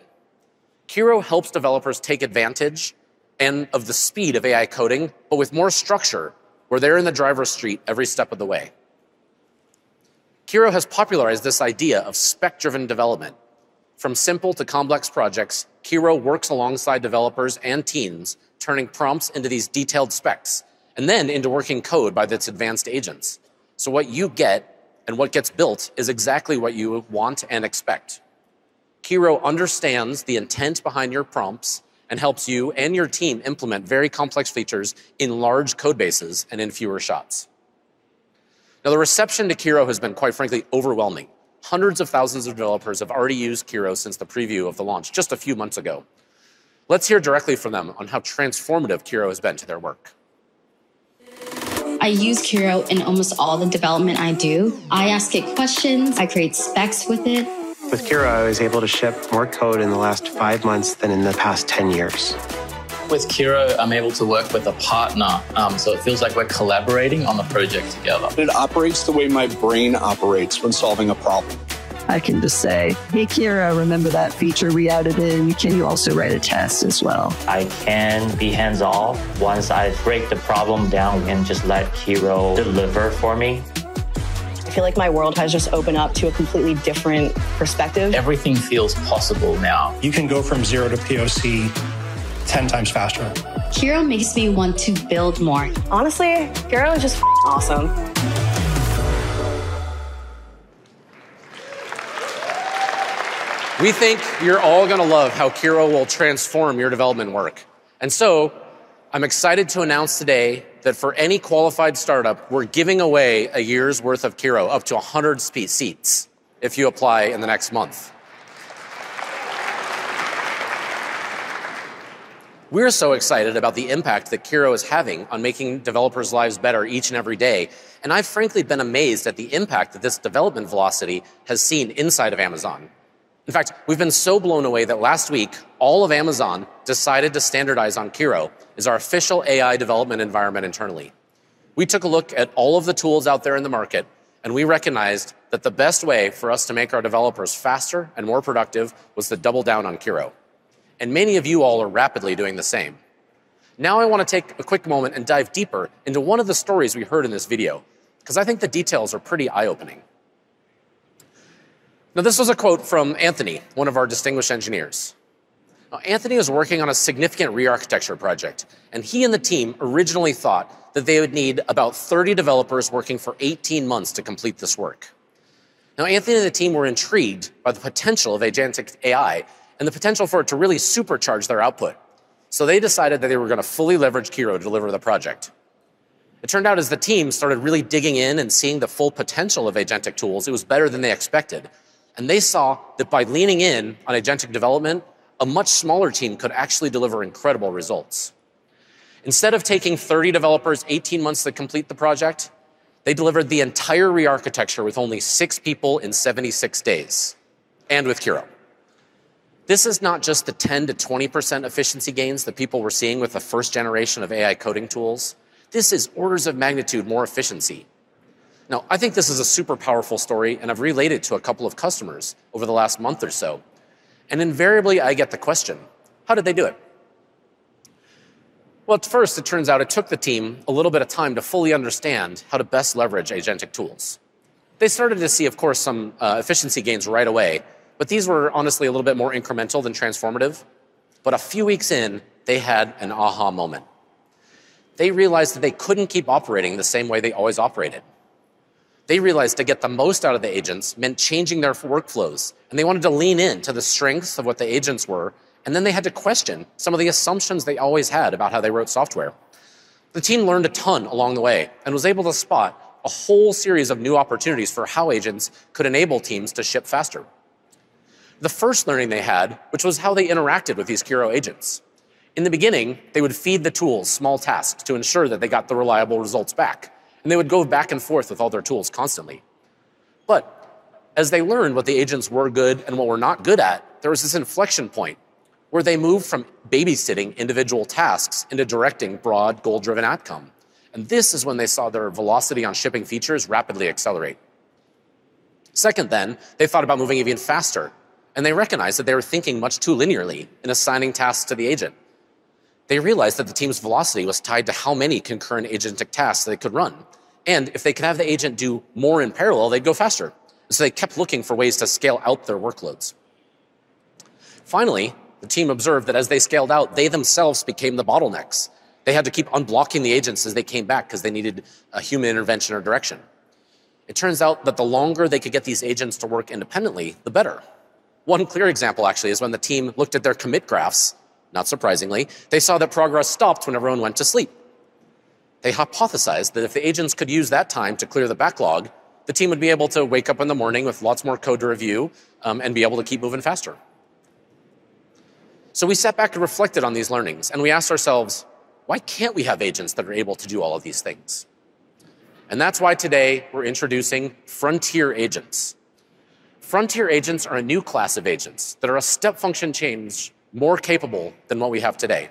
Kiro helps developers take advantage of the speed of AI coding, but with more structure, where they're in the driver's seat every step of the way. Kiro has popularized this idea of spec-driven development. From simple to complex projects, Kiro works alongside developers and teams, turning prompts into these detailed specs and then into working code by its advanced agents. So what you get and what gets built is exactly what you want and expect. Kiro understands the intent behind your prompts and helps you and your team implement very complex features in large code bases and in fewer shots. Now, the reception to Kiro has been, quite frankly, overwhelming. Hundreds of thousands of developers have already used Kiro since the preview of the launch just a few months ago. Let's hear directly from them on how transformative Kiro has been to their work. I use Kiro in almost all the development I do. I ask it questions. I create specs with it. With Kiro, I was able to ship more code in the last five months than in the past 10 years. With Kiro, I'm able to work with a partner, so it feels like we're collaborating on the project together. It operates the way my brain operates when solving a problem. I can just say, "Hey, Kiro, remember that feature we added in? Can you also write a test as well?" I can be hands-off. Once I break the problem down, I can just let Kiro deliver for me. I feel like my world has just opened up to a completely different perspective. Everything feels possible now. You can go from zero to POC 10 times faster. Kiro makes me want to build more. Honestly, Kiro is just awesome. We think you're all going to love how Kiro will transform your development work. And so I'm excited to announce today that for any qualified startup, we're giving away a year's worth of Kiro up to 100 seats if you apply in the next month. We're so excited about the impact that Kiro is having on making developers' lives better each and every day. And I've, frankly, been amazed at the impact that this development velocity has seen inside of Amazon. In fact, we've been so blown away that last week, all of Amazon decided to standardize on Kiro as our official AI development environment internally. We took a look at all of the tools out there in the market, and we recognized that the best way for us to make our developers faster and more productive was to double down on Kiro. And many of you all are rapidly doing the same. Now I want to take a quick moment and dive deeper into one of the stories we heard in this video, because I think the details are pretty eye-opening. Now, this was a quote from Anthony, one of our distinguished engineers. Anthony was working on a significant re-architecture project, and he and the team originally thought that they would need about 30 developers working for 18 months to complete this work. Now, Anthony and the team were intrigued by the potential of agentic AI and the potential for it to really supercharge their output. So they decided that they were going to fully leverage Kiro to deliver the project. It turned out as the team started really digging in and seeing the full potential of agentic tools, it was better than they expected. They saw that by leaning in on agentic development, a much smaller team could actually deliver incredible results. Instead of taking 30 developers 18 months to complete the project, they delivered the entire re-architecture with only six people in 76 days, and with Kiro. This is not just the 10%-20% efficiency gains that people were seeing with the first generation of AI coding tools. This is orders of magnitude more efficiency. Now, I think this is a super powerful story, and I've related it to a couple of customers over the last month or so. Invariably, I get the question, how did they do it? At first, it turns out it took the team a little bit of time to fully understand how to best leverage agentic tools. They started to see, of course, some efficiency gains right away, but these were honestly a little bit more incremental than transformative. But a few weeks in, they had an aha moment. They realized that they couldn't keep operating the same way they always operated. They realized to get the most out of the agents meant changing their workflows, and they wanted to lean into the strengths of what the agents were. And then they had to question some of the assumptions they always had about how they wrote software. The team learned a ton along the way and was able to spot a whole series of new opportunities for how agents could enable teams to ship faster. The first learning they had, which was how they interacted with these Kiro agents. In the beginning, they would feed the tools small tasks to ensure that they got the reliable results back, and they would go back and forth with all their tools constantly. But as they learned what the agents were good and what were not good at, there was this inflection point where they moved from babysitting individual tasks into directing broad goal-driven outcome, and this is when they saw their velocity on shipping features rapidly accelerate. Second, then, they thought about moving even faster, and they recognized that they were thinking much too linearly in assigning tasks to the agent. They realized that the team's velocity was tied to how many concurrent agentic tasks they could run, and if they could have the agent do more in parallel, they'd go faster, and so they kept looking for ways to scale out their workloads. Finally, the team observed that as they scaled out, they themselves became the bottlenecks. They had to keep unblocking the agents as they came back because they needed a human intervention or direction. It turns out that the longer they could get these agents to work independently, the better. One clear example, actually, is when the team looked at their commit graphs. Not surprisingly, they saw that progress stopped when everyone went to sleep. They hypothesized that if the agents could use that time to clear the backlog, the team would be able to wake up in the morning with lots more code to review and be able to keep moving faster. So we sat back and reflected on these learnings, and we asked ourselves, why can't we have agents that are able to do all of these things? And that's why today we're introducing Frontier Agents. Frontier Agents are a new class of agents that are a step function change more capable than what we have today.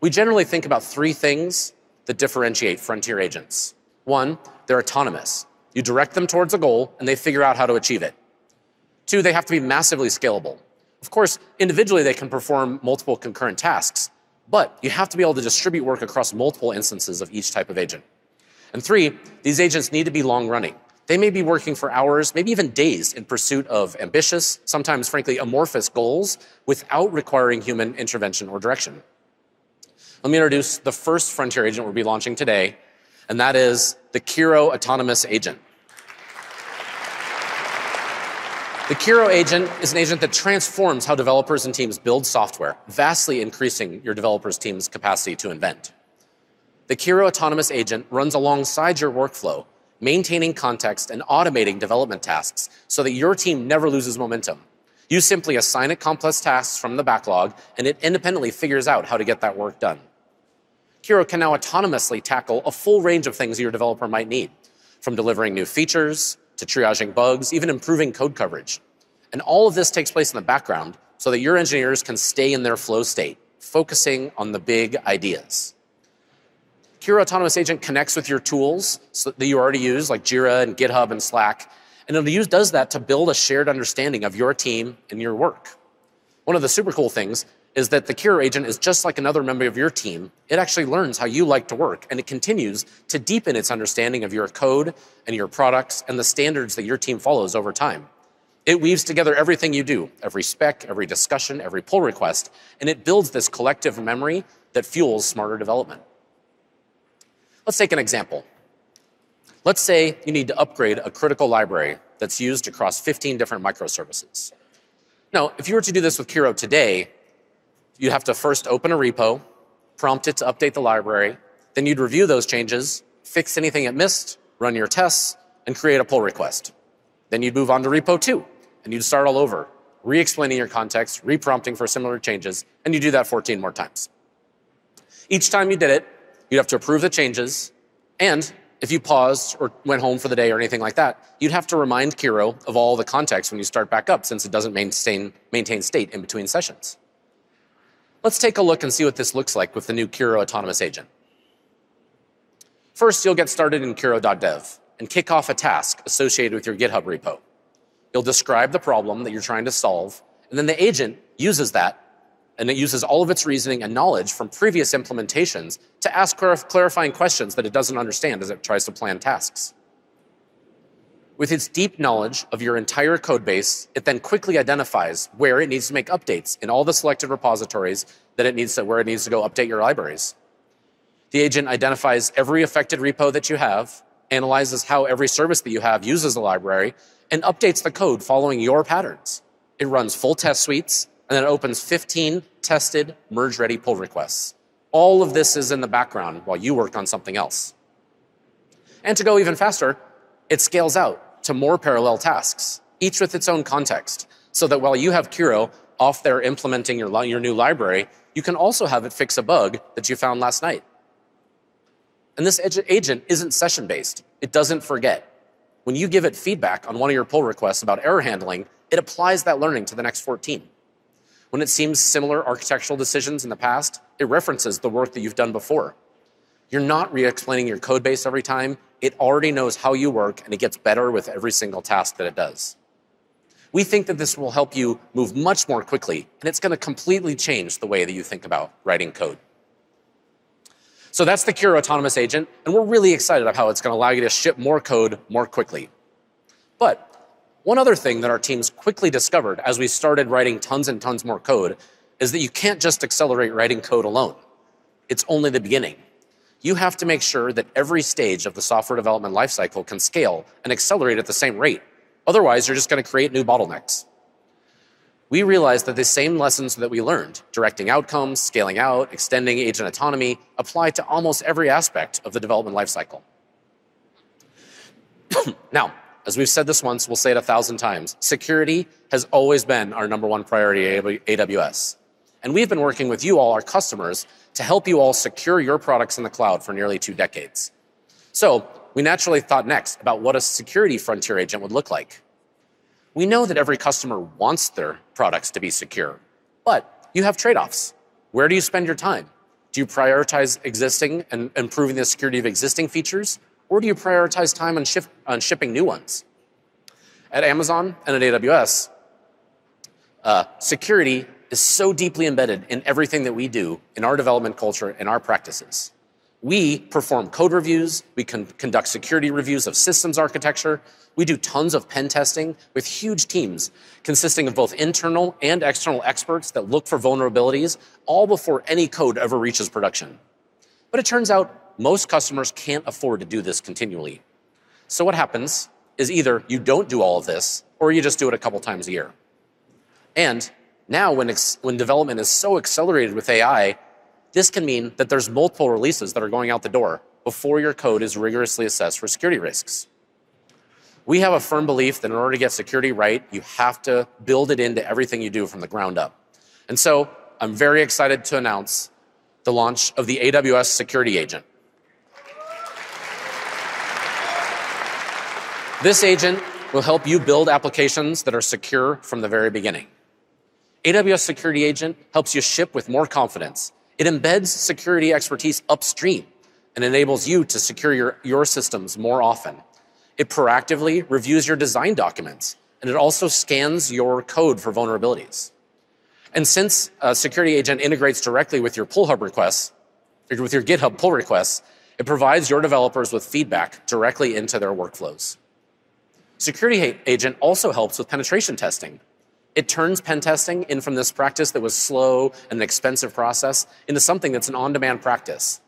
We generally think about three things that differentiate Frontier Agents. One, they're autonomous. You direct them towards a goal, and they figure out how to achieve it. Two, they have to be massively scalable. Of course, individually, they can perform multiple concurrent tasks, but you have to be able to distribute work across multiple instances of each type of agent, and three, these agents need to be long-running. They may be working for hours, maybe even days in pursuit of ambitious, sometimes, frankly, amorphous goals without requiring human intervention or direction. Let me introduce the first Frontier Agent we'll be launching today, and that is the Kiro Autonomous Agent. The Kiro Agent is an agent that transforms how developers and teams build software, vastly increasing your developer's team's capacity to invent. The Kiro Autonomous Agent runs alongside your workflow, maintaining context and automating development tasks so that your team never loses momentum. You simply assign it complex tasks from the backlog, and it independently figures out how to get that work done. Kiro can now autonomously tackle a full range of things your developer might need, from delivering new features to triaging bugs, even improving code coverage, and all of this takes place in the background so that your engineers can stay in their flow state, focusing on the big ideas. Kiro Autonomous Agent connects with your tools that you already use, like Jira and GitHub and Slack, and it does that to build a shared understanding of your team and your work. One of the super cool things is that the Kiro Agent is just like another member of your team. It actually learns how you like to work, and it continues to deepen its understanding of your code and your products and the standards that your team follows over time. It weaves together everything you do, every spec, every discussion, every pull request, and it builds this collective memory that fuels smarter development. Let's take an example. Let's say you need to upgrade a critical library that's used across 15 different microservices. Now, if you were to do this with Kiro today, you'd have to first open a repo, prompt it to update the library, then you'd review those changes, fix anything it missed, run your tests, and create a pull request. Then you'd move on to repo two, and you'd start all over, re-explaining your context, re-prompting for similar changes, and you'd do that 14 more times. Each time you did it, you'd have to approve the changes, and if you paused or went home for the day or anything like that, you'd have to remind Kiro of all the context when you start back up since it doesn't maintain state in between sessions. Let's take a look and see what this looks like with the new Kiro Autonomous Agent. First, you'll get started in Kiro.dev and kick off a task associated with your GitHub repo. You'll describe the problem that you're trying to solve, and then the agent uses that, and it uses all of its reasoning and knowledge from previous implementations to ask clarifying questions that it doesn't understand as it tries to plan tasks. With its deep knowledge of your entire code base, it then quickly identifies where it needs to make updates in all the selected repositories where it needs to go update your libraries. The agent identifies every affected repo that you have, analyzes how every service that you have uses the library, and updates the code following your patterns. It runs full test suites, and then it opens 15 tested, merge-ready pull requests. All of this is in the background while you work on something else, and to go even faster, it scales out to more parallel tasks, each with its own context, so that while you have Kiro off there implementing your new library, you can also have it fix a bug that you found last night, and this agent isn't session-based. It doesn't forget. When you give it feedback on one of your pull requests about error handling, it applies that learning to the next 14. When it sees similar architectural decisions in the past, it references the work that you've done before. You're not re-explaining your code base every time. It already knows how you work, and it gets better with every single task that it does. We think that this will help you move much more quickly, and it's going to completely change the way that you think about writing code, so that's the Kiro Autonomous Agent, and we're really excited about how it's going to allow you to ship more code more quickly, but one other thing that our teams quickly discovered as we started writing tons and tons more code is that you can't just accelerate writing code alone. It's only the beginning. You have to make sure that every stage of the software development lifecycle can scale and accelerate at the same rate. Otherwise, you're just going to create new bottlenecks. We realized that the same lessons that we learned directing outcomes, scaling out, extending agent autonomy apply to almost every aspect of the development lifecycle. Now, as we've said this once, we'll say it a thousand times. Security has always been our number one priority at AWS, and we've been working with you all, our customers, to help you all secure your products in the cloud for nearly two decades. We naturally thought next about what a security frontier agent would look like. We know that every customer wants their products to be secure, but you have trade-offs. Where do you spend your time? Do you prioritize existing and improving the security of existing features, or do you prioritize time on shipping new ones? At Amazon and at AWS, security is so deeply embedded in everything that we do in our development culture and our practices. We perform code reviews. We conduct security reviews of systems architecture. We do tons of pen testing with huge teams consisting of both internal and external experts that look for vulnerabilities all before any code ever reaches production. But it turns out most customers can't afford to do this continually. So what happens is either you don't do all of this, or you just do it a couple of times a year. And now, when development is so accelerated with AI, this can mean that there's multiple releases that are going out the door before your code is rigorously assessed for security risks. We have a firm belief that in order to get security right, you have to build it into everything you do from the ground up. And so I'm very excited to announce the launch of the AWS Security Agent. This agent will help you build applications that are secure from the very beginning. AWS Security Agent helps you ship with more confidence. It embeds security expertise upstream and enables you to secure your systems more often. It proactively reviews your design documents, and it also scans your code for vulnerabilities. And since Security Agent integrates directly with your pull requests, with your GitHub pull requests, it provides your developers with feedback directly into their workflows. Security Agent also helps with penetration testing. It turns pen testing from this practice that was slow and an expensive process into something that's an on-demand practice.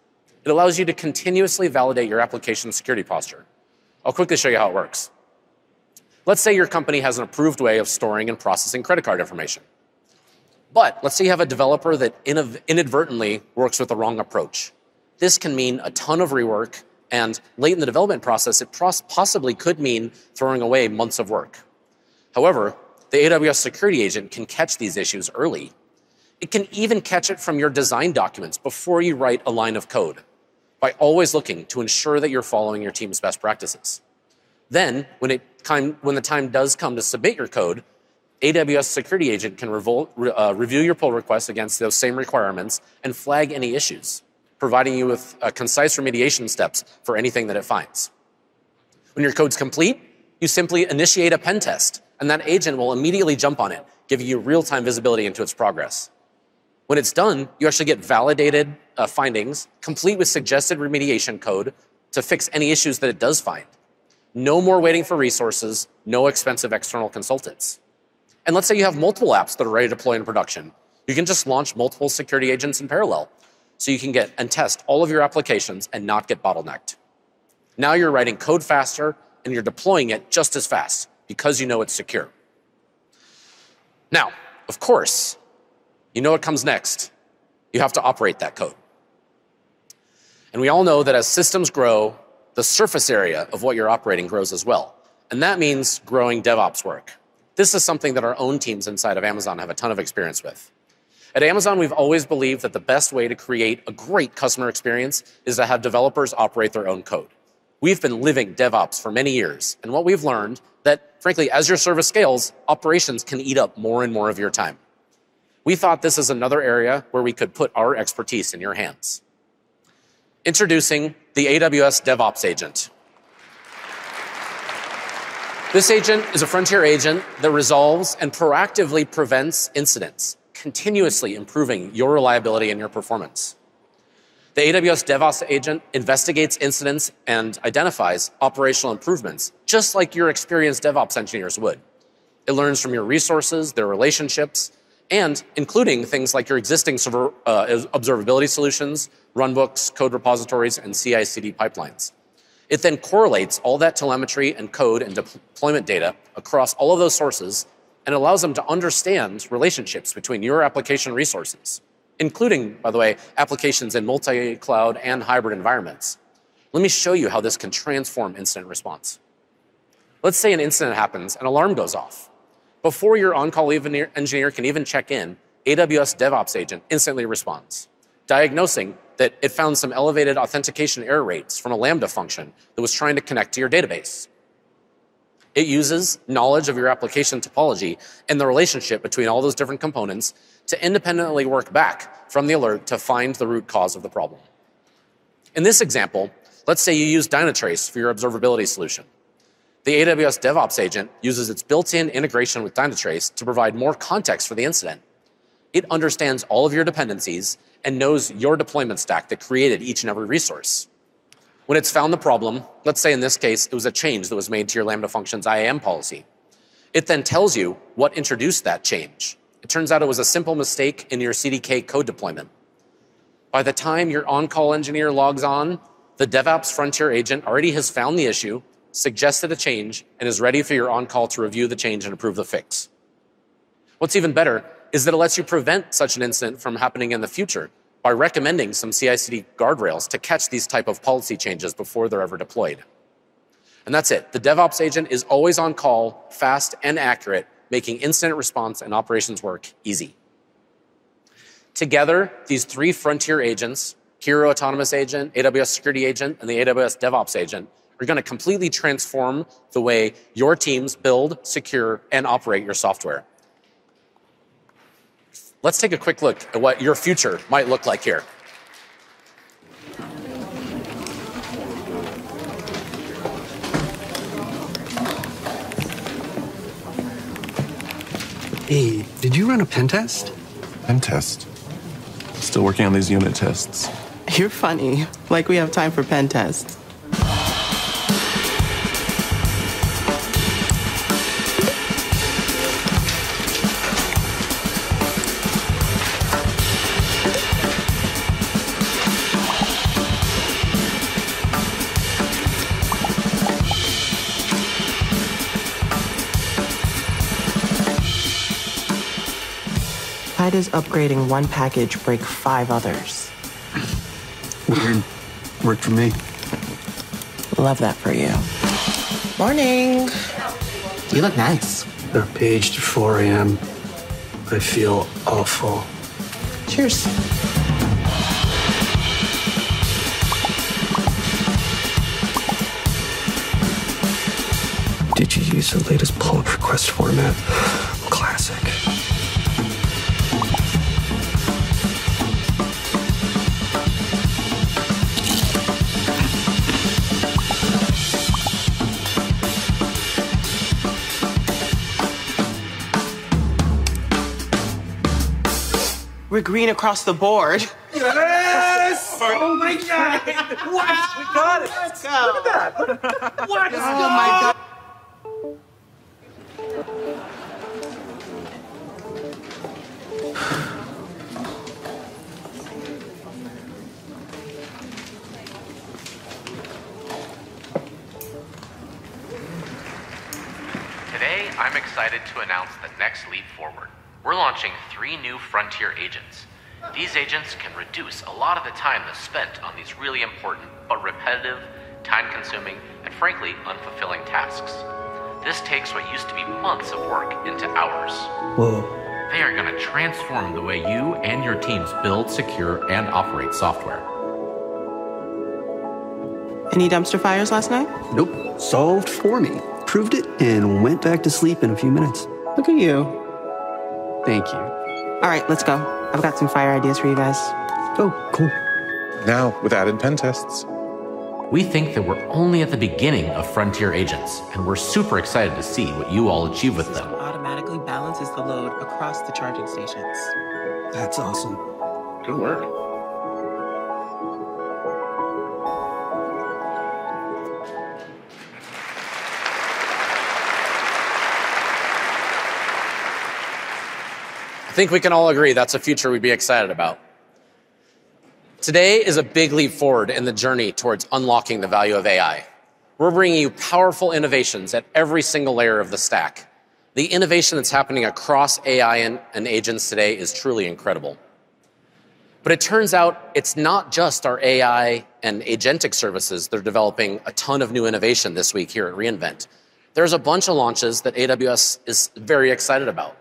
It allows you to continuously validate your application security posture. I'll quickly show you how it works. Let's say your company has an approved way of storing and processing credit card information. But let's say you have a developer that inadvertently works with the wrong approach. This can mean a ton of rework and late in the development process. It possibly could mean throwing away months of work. However, the AWS Security Agent can catch these issues early. It can even catch it from your design documents before you write a line of code by always looking to ensure that you're following your team's best practices. Then, when the time does come to submit your code, AWS Security Agent can review your pull request against those same requirements and flag any issues, providing you with concise remediation steps for anything that it finds. When your code's complete, you simply initiate a pen test, and that agent will immediately jump on it, giving you real-time visibility into its progress. When it's done, you actually get validated findings complete with suggested remediation code to fix any issues that it does find. No more waiting for resources, no expensive external consultants. And let's say you have multiple apps that are ready to deploy in production. You can just launch multiple security agents in parallel so you can get and test all of your applications and not get bottlenecked. Now you're writing code faster, and you're deploying it just as fast because you know it's secure. Now, of course, you know what comes next. You have to operate that code. And we all know that as systems grow, the surface area of what you're operating grows as well. And that means growing DevOps work. This is something that our own teams inside of Amazon have a ton of experience with. At Amazon, we've always believed that the best way to create a great customer experience is to have developers operate their own code. We've been living DevOps for many years, and what we've learned is that, frankly, as your service scales, operations can eat up more and more of your time. We thought this is another area where we could put our expertise in your hands. Introducing the AWS DevOps Agent. This agent is a Frontier Agent that resolves and proactively prevents incidents, continuously improving your reliability and your performance. The AWS DevOps Agent investigates incidents and identifies operational improvements, just like your experienced DevOps engineers would. It learns from your resources, their relationships, and including things like your existing observability solutions, runbooks, code repositories, and CI/CD pipelines. It then correlates all that telemetry and code and deployment data across all of those sources and allows them to understand relationships between your application resources, including, by the way, applications in multi-cloud and hybrid environments. Let me show you how this can transform incident response. Let's say an incident happens and an alarm goes off. Before your on-call engineer can even check in, the AWS DevOps Agent instantly responds, diagnosing that it found some elevated authentication error rates from a Lambda function that was trying to connect to your database. It uses knowledge of your application topology and the relationship between all those different components to independently work back from the alert to find the root cause of the problem. In this example, let's say you use Dynatrace for your observability solution. The AWS DevOps Agent uses its built-in integration with Dynatrace to provide more context for the incident. It understands all of your dependencies and knows your deployment stack that created each and every resource. When it's found the problem, let's say in this case, it was a change that was made to your Lambda function's IAM policy. It then tells you what introduced that change. It turns out it was a simple mistake in your CDK code deployment. By the time your on-call engineer logs on, the DevOps Frontier Agent already has found the issue, suggested a change, and is ready for your on-call to review the change and approve the fix. What's even better is that it lets you prevent such an incident from happening in the future by recommending some CI/CD guardrails to catch these types of policy changes before they're ever deployed. That's it. The DevOps Agent is always on call, fast, and accurate, making incident response and operations work easy. Together, these three Frontier Agents, Kiro Autonomous Agent, AWS Security Agent, and the AWS DevOps Agent, are going to completely transform the way your teams build, secure, and operate your software. Let's take a quick look at what your future might look like here. Hey, did you run a pen test? Pen test. Still working on these unit tests. You're funny. Like we have time for pen tests. Why does upgrading one package break five others? Work for me. Love that for you. Morning. You look nice. They're paged at 4:00 A.M. I feel awful. Cheers. Did you use the latest pull request format? Classic. We're green across the board. Yes! Oh my God! Wow! We got it! Let's go! Look at that! Wow! Oh my God! Today, I'm excited to announce the next leap forward. We're launching three new Frontier Agents. These agents can reduce a lot of the time that's spent on these really important, but repetitive, time-consuming, and frankly, unfulfilling tasks. This takes what used to be months of work into hours. Whoa. They are going to transform the way you and your teams build, secure, and operate software. Any dumpster fires last night? Nope. Solved for me. Proved it and went back to sleep in a few minutes. Look at you. Thank you. All right, let's go. I've got some fire ideas for you guys. Oh, cool. Now, without pen tests. We think that we're only at the beginning of Frontier Agents, and we're super excited to see what you all achieve with them. It automatically balances the load across the charging stations. That's awesome. Good work. I think we can all agree that's a future we'd be excited about. Today is a big leap forward in the journey towards unlocking the value of AI. We're bringing you powerful innovations at every single layer of the stack. The innovation that's happening across AI and agents today is truly incredible. But it turns out it's not just our AI and agentic services that are developing a ton of new innovation this week here at re:Invent. There's a bunch of launches that AWS is very excited about.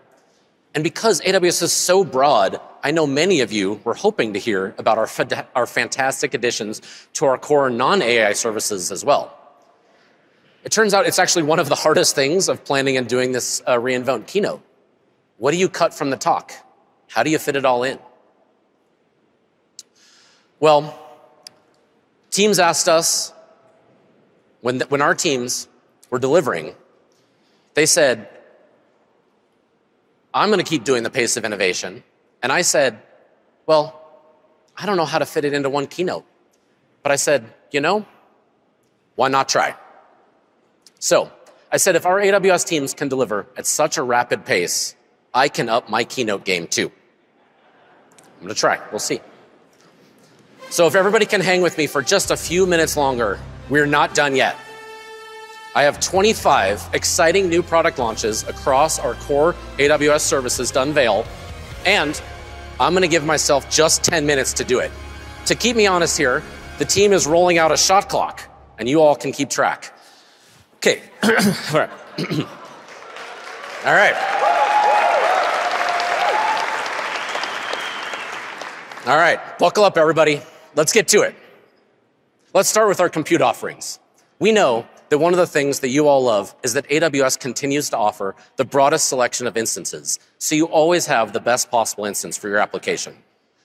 And because AWS is so broad, I know many of you were hoping to hear about our fantastic additions to our core non-AI services as well. It turns out it's actually one of the hardest things of planning and doing this re:Invent keynote. What do you cut from the talk? How do you fit it all in? Well, teams asked us when our teams were delivering, they said, "I'm going to keep doing the pace of innovation." And I said, "Well, I don't know how to fit it into one keynote." But I said, "You know, why not try?" So I said, "If our AWS teams can deliver at such a rapid pace, I can up my keynote game too. I'm going to try. We'll see." So if everybody can hang with me for just a few minutes longer, we're not done yet. I have 25 exciting new product launches across our core AWS services to unveil, and I'm going to give myself just 10 minutes to do it. To keep me honest here, the team is rolling out a shot clock, and you all can keep track. Okay. All right. All right. All right. Buckle up, everybody. Let's get to it. Let's start with our compute offerings. We know that one of the things that you all love is that AWS continues to offer the broadest selection of instances, so you always have the best possible instance for your application.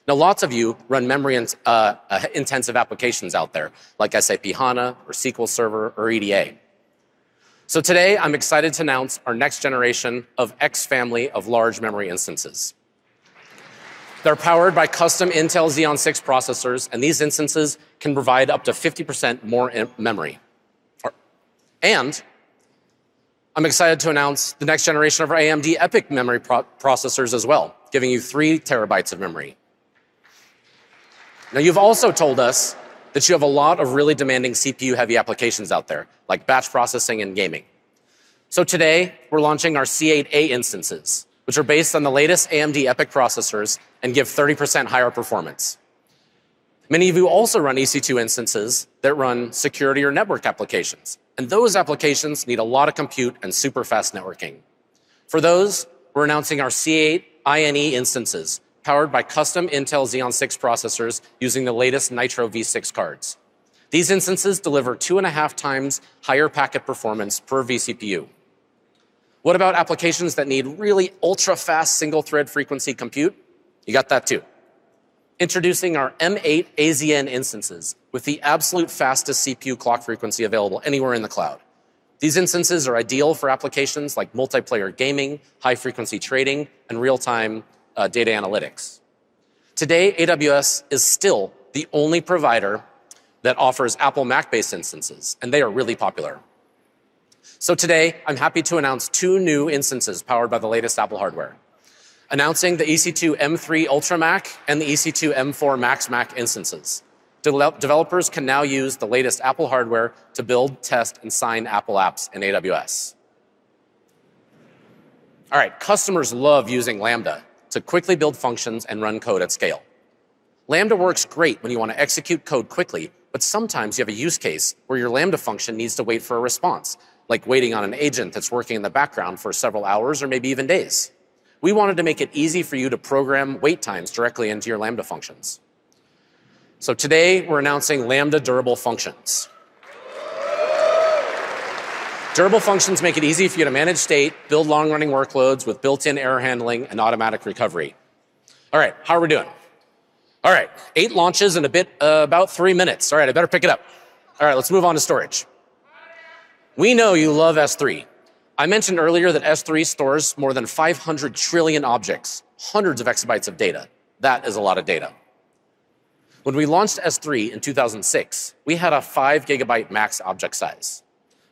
Now, lots of you run memory-intensive applications out there, like SAP HANA or SQL Server or EDA. So today, I'm excited to announce our next generation of X-family of large memory instances. They're powered by custom Intel Xeon 6 processors, and these instances can provide up to 50% more memory, and I'm excited to announce the next generation of our AMD EPYC memory processors as well, giving you three terabytes of memory. Now, you've also told us that you have a lot of really demanding CPU-heavy applications out there, like batch processing and gaming. So today, we're launching our C8a instances, which are based on the latest AMD EPYC processors and give 30% higher performance. Many of you also run EC2 instances that run security or network applications, and those applications need a lot of compute and super fast networking. For those, we're announcing our C8ine instances powered by custom Intel Xeon 6 processors using the latest Nitro V6 cards. These instances deliver two and a half times higher packet performance per VCPU. What about applications that need really ultra-fast single-thread frequency compute? You got that too. Introducing our M8azn instances with the absolute fastest CPU clock frequency available anywhere in the cloud. These instances are ideal for applications like multiplayer gaming, high-frequency trading, and real-time data analytics. Today, AWS is still the only provider that offers Apple Mac-based instances, and they are really popular. So today, I'm happy to announce two new instances powered by the latest Apple hardware, announcing the EC2 M3 Ultra Mac and the EC2 M4 Max Mac instances. Developers can now use the latest Apple hardware to build, test, and sign Apple apps in AWS. All right. Customers love using Lambda to quickly build functions and run code at scale. Lambda works great when you want to execute code quickly, but sometimes you have a use case where your Lambda function needs to wait for a response, like waiting on an agent that's working in the background for several hours or maybe even days. We wanted to make it easy for you to program wait times directly into your Lambda functions. So today, we're announcing Lambda Durable Functions. Durable Functions make it easy for you to manage state, build long-running workloads with built-in error handling and automatic recovery. All right. How are we doing? All right. Eight launches in about three minutes. All right. I better pick it up. All right. Let's move on to storage. We know you love S3. I mentioned earlier that S3 stores more than 500 trillion objects, hundreds of exabytes of data. That is a lot of data. When we launched S3 in 2006, we had a 5-gigabyte max object size.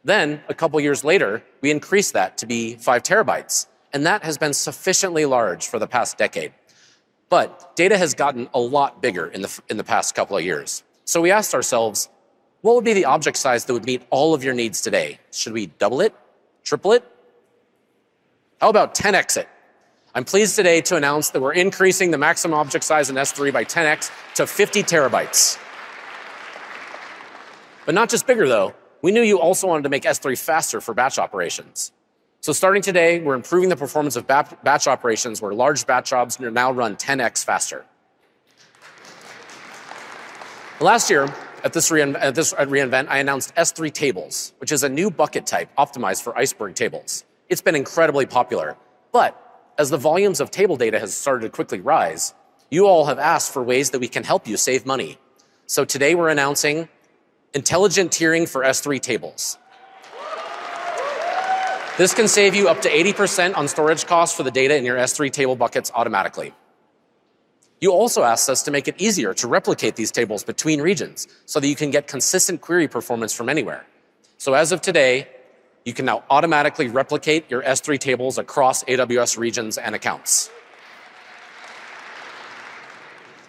Then, a couple of years later, we increased that to be 5 terabytes, and that has been sufficiently large for the past decade. But data has gotten a lot bigger in the past couple of years. So we asked ourselves, what would be the object size that would meet all of your needs today? Should we double it? Triple it? How about 10x it? I'm pleased today to announce that we're increasing the maximum object size in S3 by 10x to 50 terabytes. But not just bigger, though. We knew you also wanted to make S3 faster for batch operations. So starting today, we're improving the performance of batch operations where large batch jobs now run 10x faster. Last year at this re:Invent, I announced S3 Tables, which is a new bucket type optimized for Iceberg tables. It's been incredibly popular. But as the volumes of table data have started to quickly rise, you all have asked for ways that we can help you save money. So today, we're announcing Intelligent-Tiering for S3 Tables. This can save you up to 80% on storage costs for the data in your S3 Tables buckets automatically. You also asked us to make it easier to replicate these tables between regions so that you can get consistent query performance from anywhere. As of today, you can now automatically replicate your S3 Tables across AWS regions and accounts.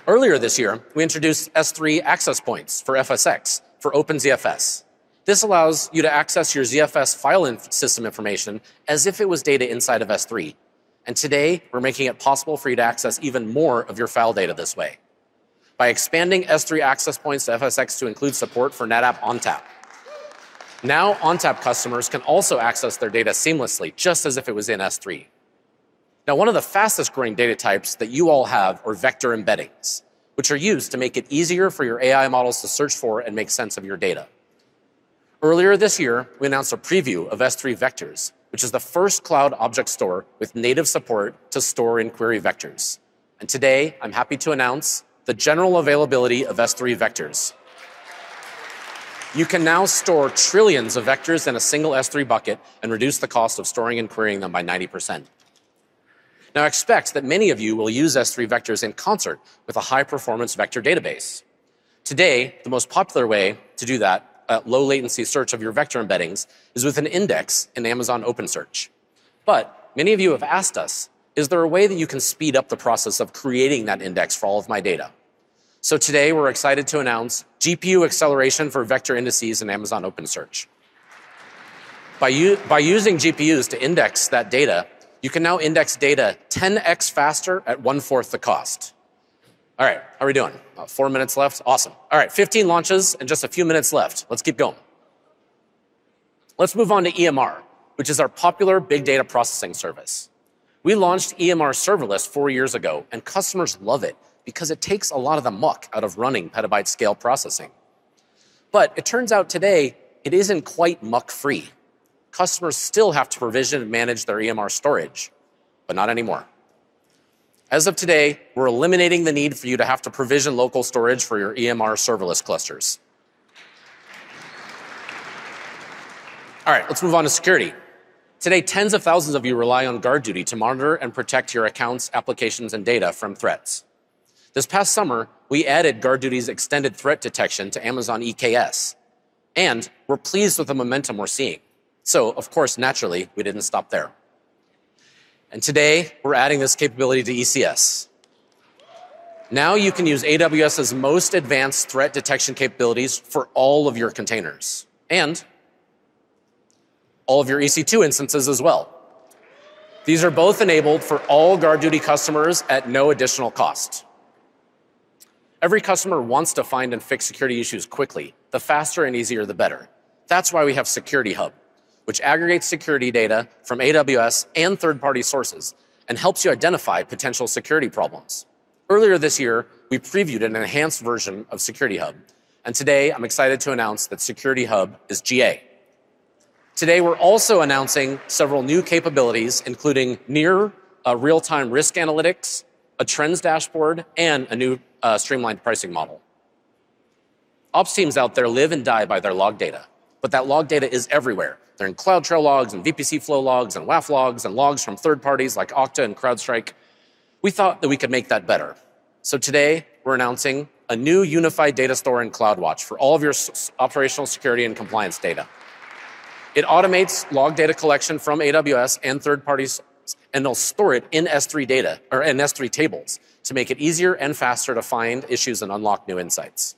Earlier this year, we introduced S3 Access Points for FSx for OpenZFS. This allows you to access your ZFS file system information as if it was data inside of S3. Today, we're making it possible for you to access even more of your file data this way by expanding S3 Access Points to FSx to include support for NetApp ONTAP. ONTAP customers can also access their data seamlessly, just as if it was in S3. One of the fastest-growing data types that you all have are vector embeddings, which are used to make it easier for your AI models to search for and make sense of your data. Earlier this year, we announced a preview of S3 Vectors, which is the first cloud object store with native support to store and query vectors. And today, I'm happy to announce the general availability of S3 Vectors. You can now store trillions of vectors in a single S3 bucket and reduce the cost of storing and querying them by 90%. Now, I expect that many of you will use S3 Vectors in concert with a high-performance vector database. Today, the most popular way to do that low-latency search of your vector embeddings is with an index in Amazon OpenSearch. But many of you have asked us, is there a way that you can speed up the process of creating that index for all of my data? So today, we're excited to announce GPU acceleration for vector indices in Amazon OpenSearch. By using GPUs to index that data, you can now index data 10x faster at one-fourth the cost. All right. How are we doing? Four minutes left? Awesome. All right. 15 launches and just a few minutes left. Let's keep going. Let's move on to EMR, which is our popular big data processing service. We launched EMR Serverless four years ago, and customers love it because it takes a lot of the muck out of running petabyte-scale processing. But it turns out today it isn't quite muck-free. Customers still have to provision and manage their EMR storage, but not anymore. As of today, we're eliminating the need for you to have to provision local storage for your EMR Serverless clusters. All right. Let's move on to security. Today, tens of thousands of you rely on GuardDuty to monitor and protect your accounts, applications, and data from threats. This past summer, we added GuardDuty's extended threat detection to Amazon EKS, and we're pleased with the momentum we're seeing. So, of course, naturally, we didn't stop there. Today, we're adding this capability to ECS. Now you can use AWS's most advanced threat detection capabilities for all of your containers and all of your EC2 instances as well. These are both enabled for all GuardDuty customers at no additional cost. Every customer wants to find and fix security issues quickly. The faster and easier, the better. That's why we have Security Hub, which aggregates security data from AWS and third-party sources and helps you identify potential security problems. Earlier this year, we previewed an enhanced version of Security Hub, and today, I'm excited to announce that Security Hub is GA. Today, we're also announcing several new capabilities, including near real-time risk analytics, a trends dashboard, and a new streamlined pricing model. Ops teams out there live and die by their log data, but that log data is everywhere. They're in CloudTrail logs and VPC Flow logs and WAF logs and logs from third parties like Okta and CrowdStrike. We thought that we could make that better. So today, we're announcing a new unified data store in CloudWatch for all of your operational security and compliance data. It automates log data collection from AWS and third parties, and they'll store it in S3 data or in S3 tables to make it easier and faster to find issues and unlock new insights.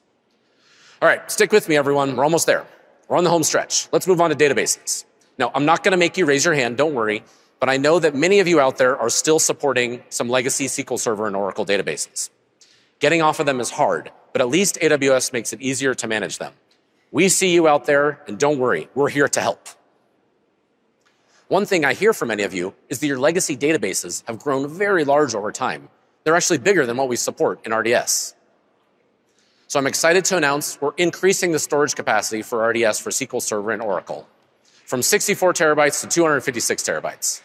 All right. Stick with me, everyone. We're almost there. We're on the home stretch. Let's move on to databases. Now, I'm not going to make you raise your hand. Don't worry. But I know that many of you out there are still supporting some legacy SQL Server and Oracle databases. Getting off of them is hard, but at least AWS makes it easier to manage them. We see you out there, and don't worry. We're here to help. One thing I hear from many of you is that your legacy databases have grown very large over time. They're actually bigger than what we support in RDS. So I'm excited to announce we're increasing the storage capacity for RDS for SQL Server and Oracle from 64 terabytes to 256 terabytes.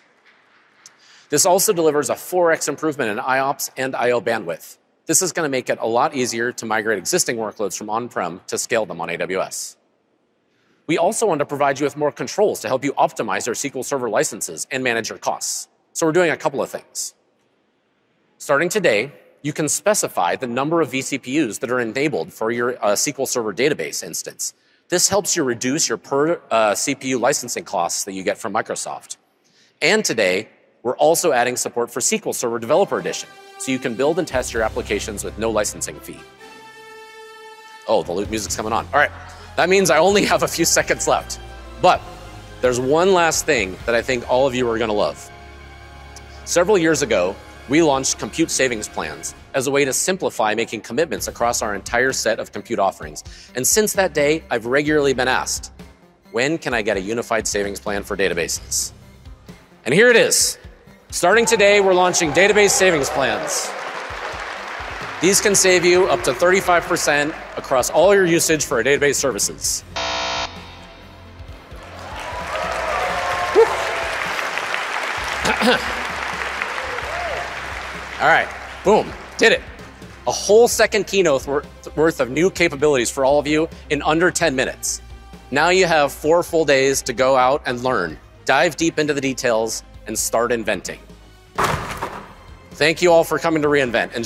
This also delivers a 4x improvement in IOPS and I/O bandwidth. This is going to make it a lot easier to migrate existing workloads from on-prem to scale them on AWS. We also want to provide you with more controls to help you optimize your SQL Server licenses and manage your costs. So we're doing a couple of things. Starting today, you can specify the number of VCPUs that are enabled for your SQL Server database instance. This helps you reduce your per-CPU licensing costs that you get from Microsoft. And today, we're also adding support for SQL Server Developer Edition so you can build and test your applications with no licensing fee. Oh, the loop music's coming on. All right. That means I only have a few seconds left. But there's one last thing that I think all of you are going to love. Several years ago, we launched Compute Savings Plans as a way to simplify making commitments across our entire set of compute offerings. And since that day, I've regularly been asked, when can I get a unified savings plan for databases? And here it is. Starting today, we're launching Database Savings Plans. These can save you up to 35% across all your usage for database services. All right. Boom. Did it. A whole second keynote worth of new capabilities for all of you in under 10 minutes. Now you have four full days to go out and learn, dive deep into the details, and start inventing. Thank you all for coming to re:Invent.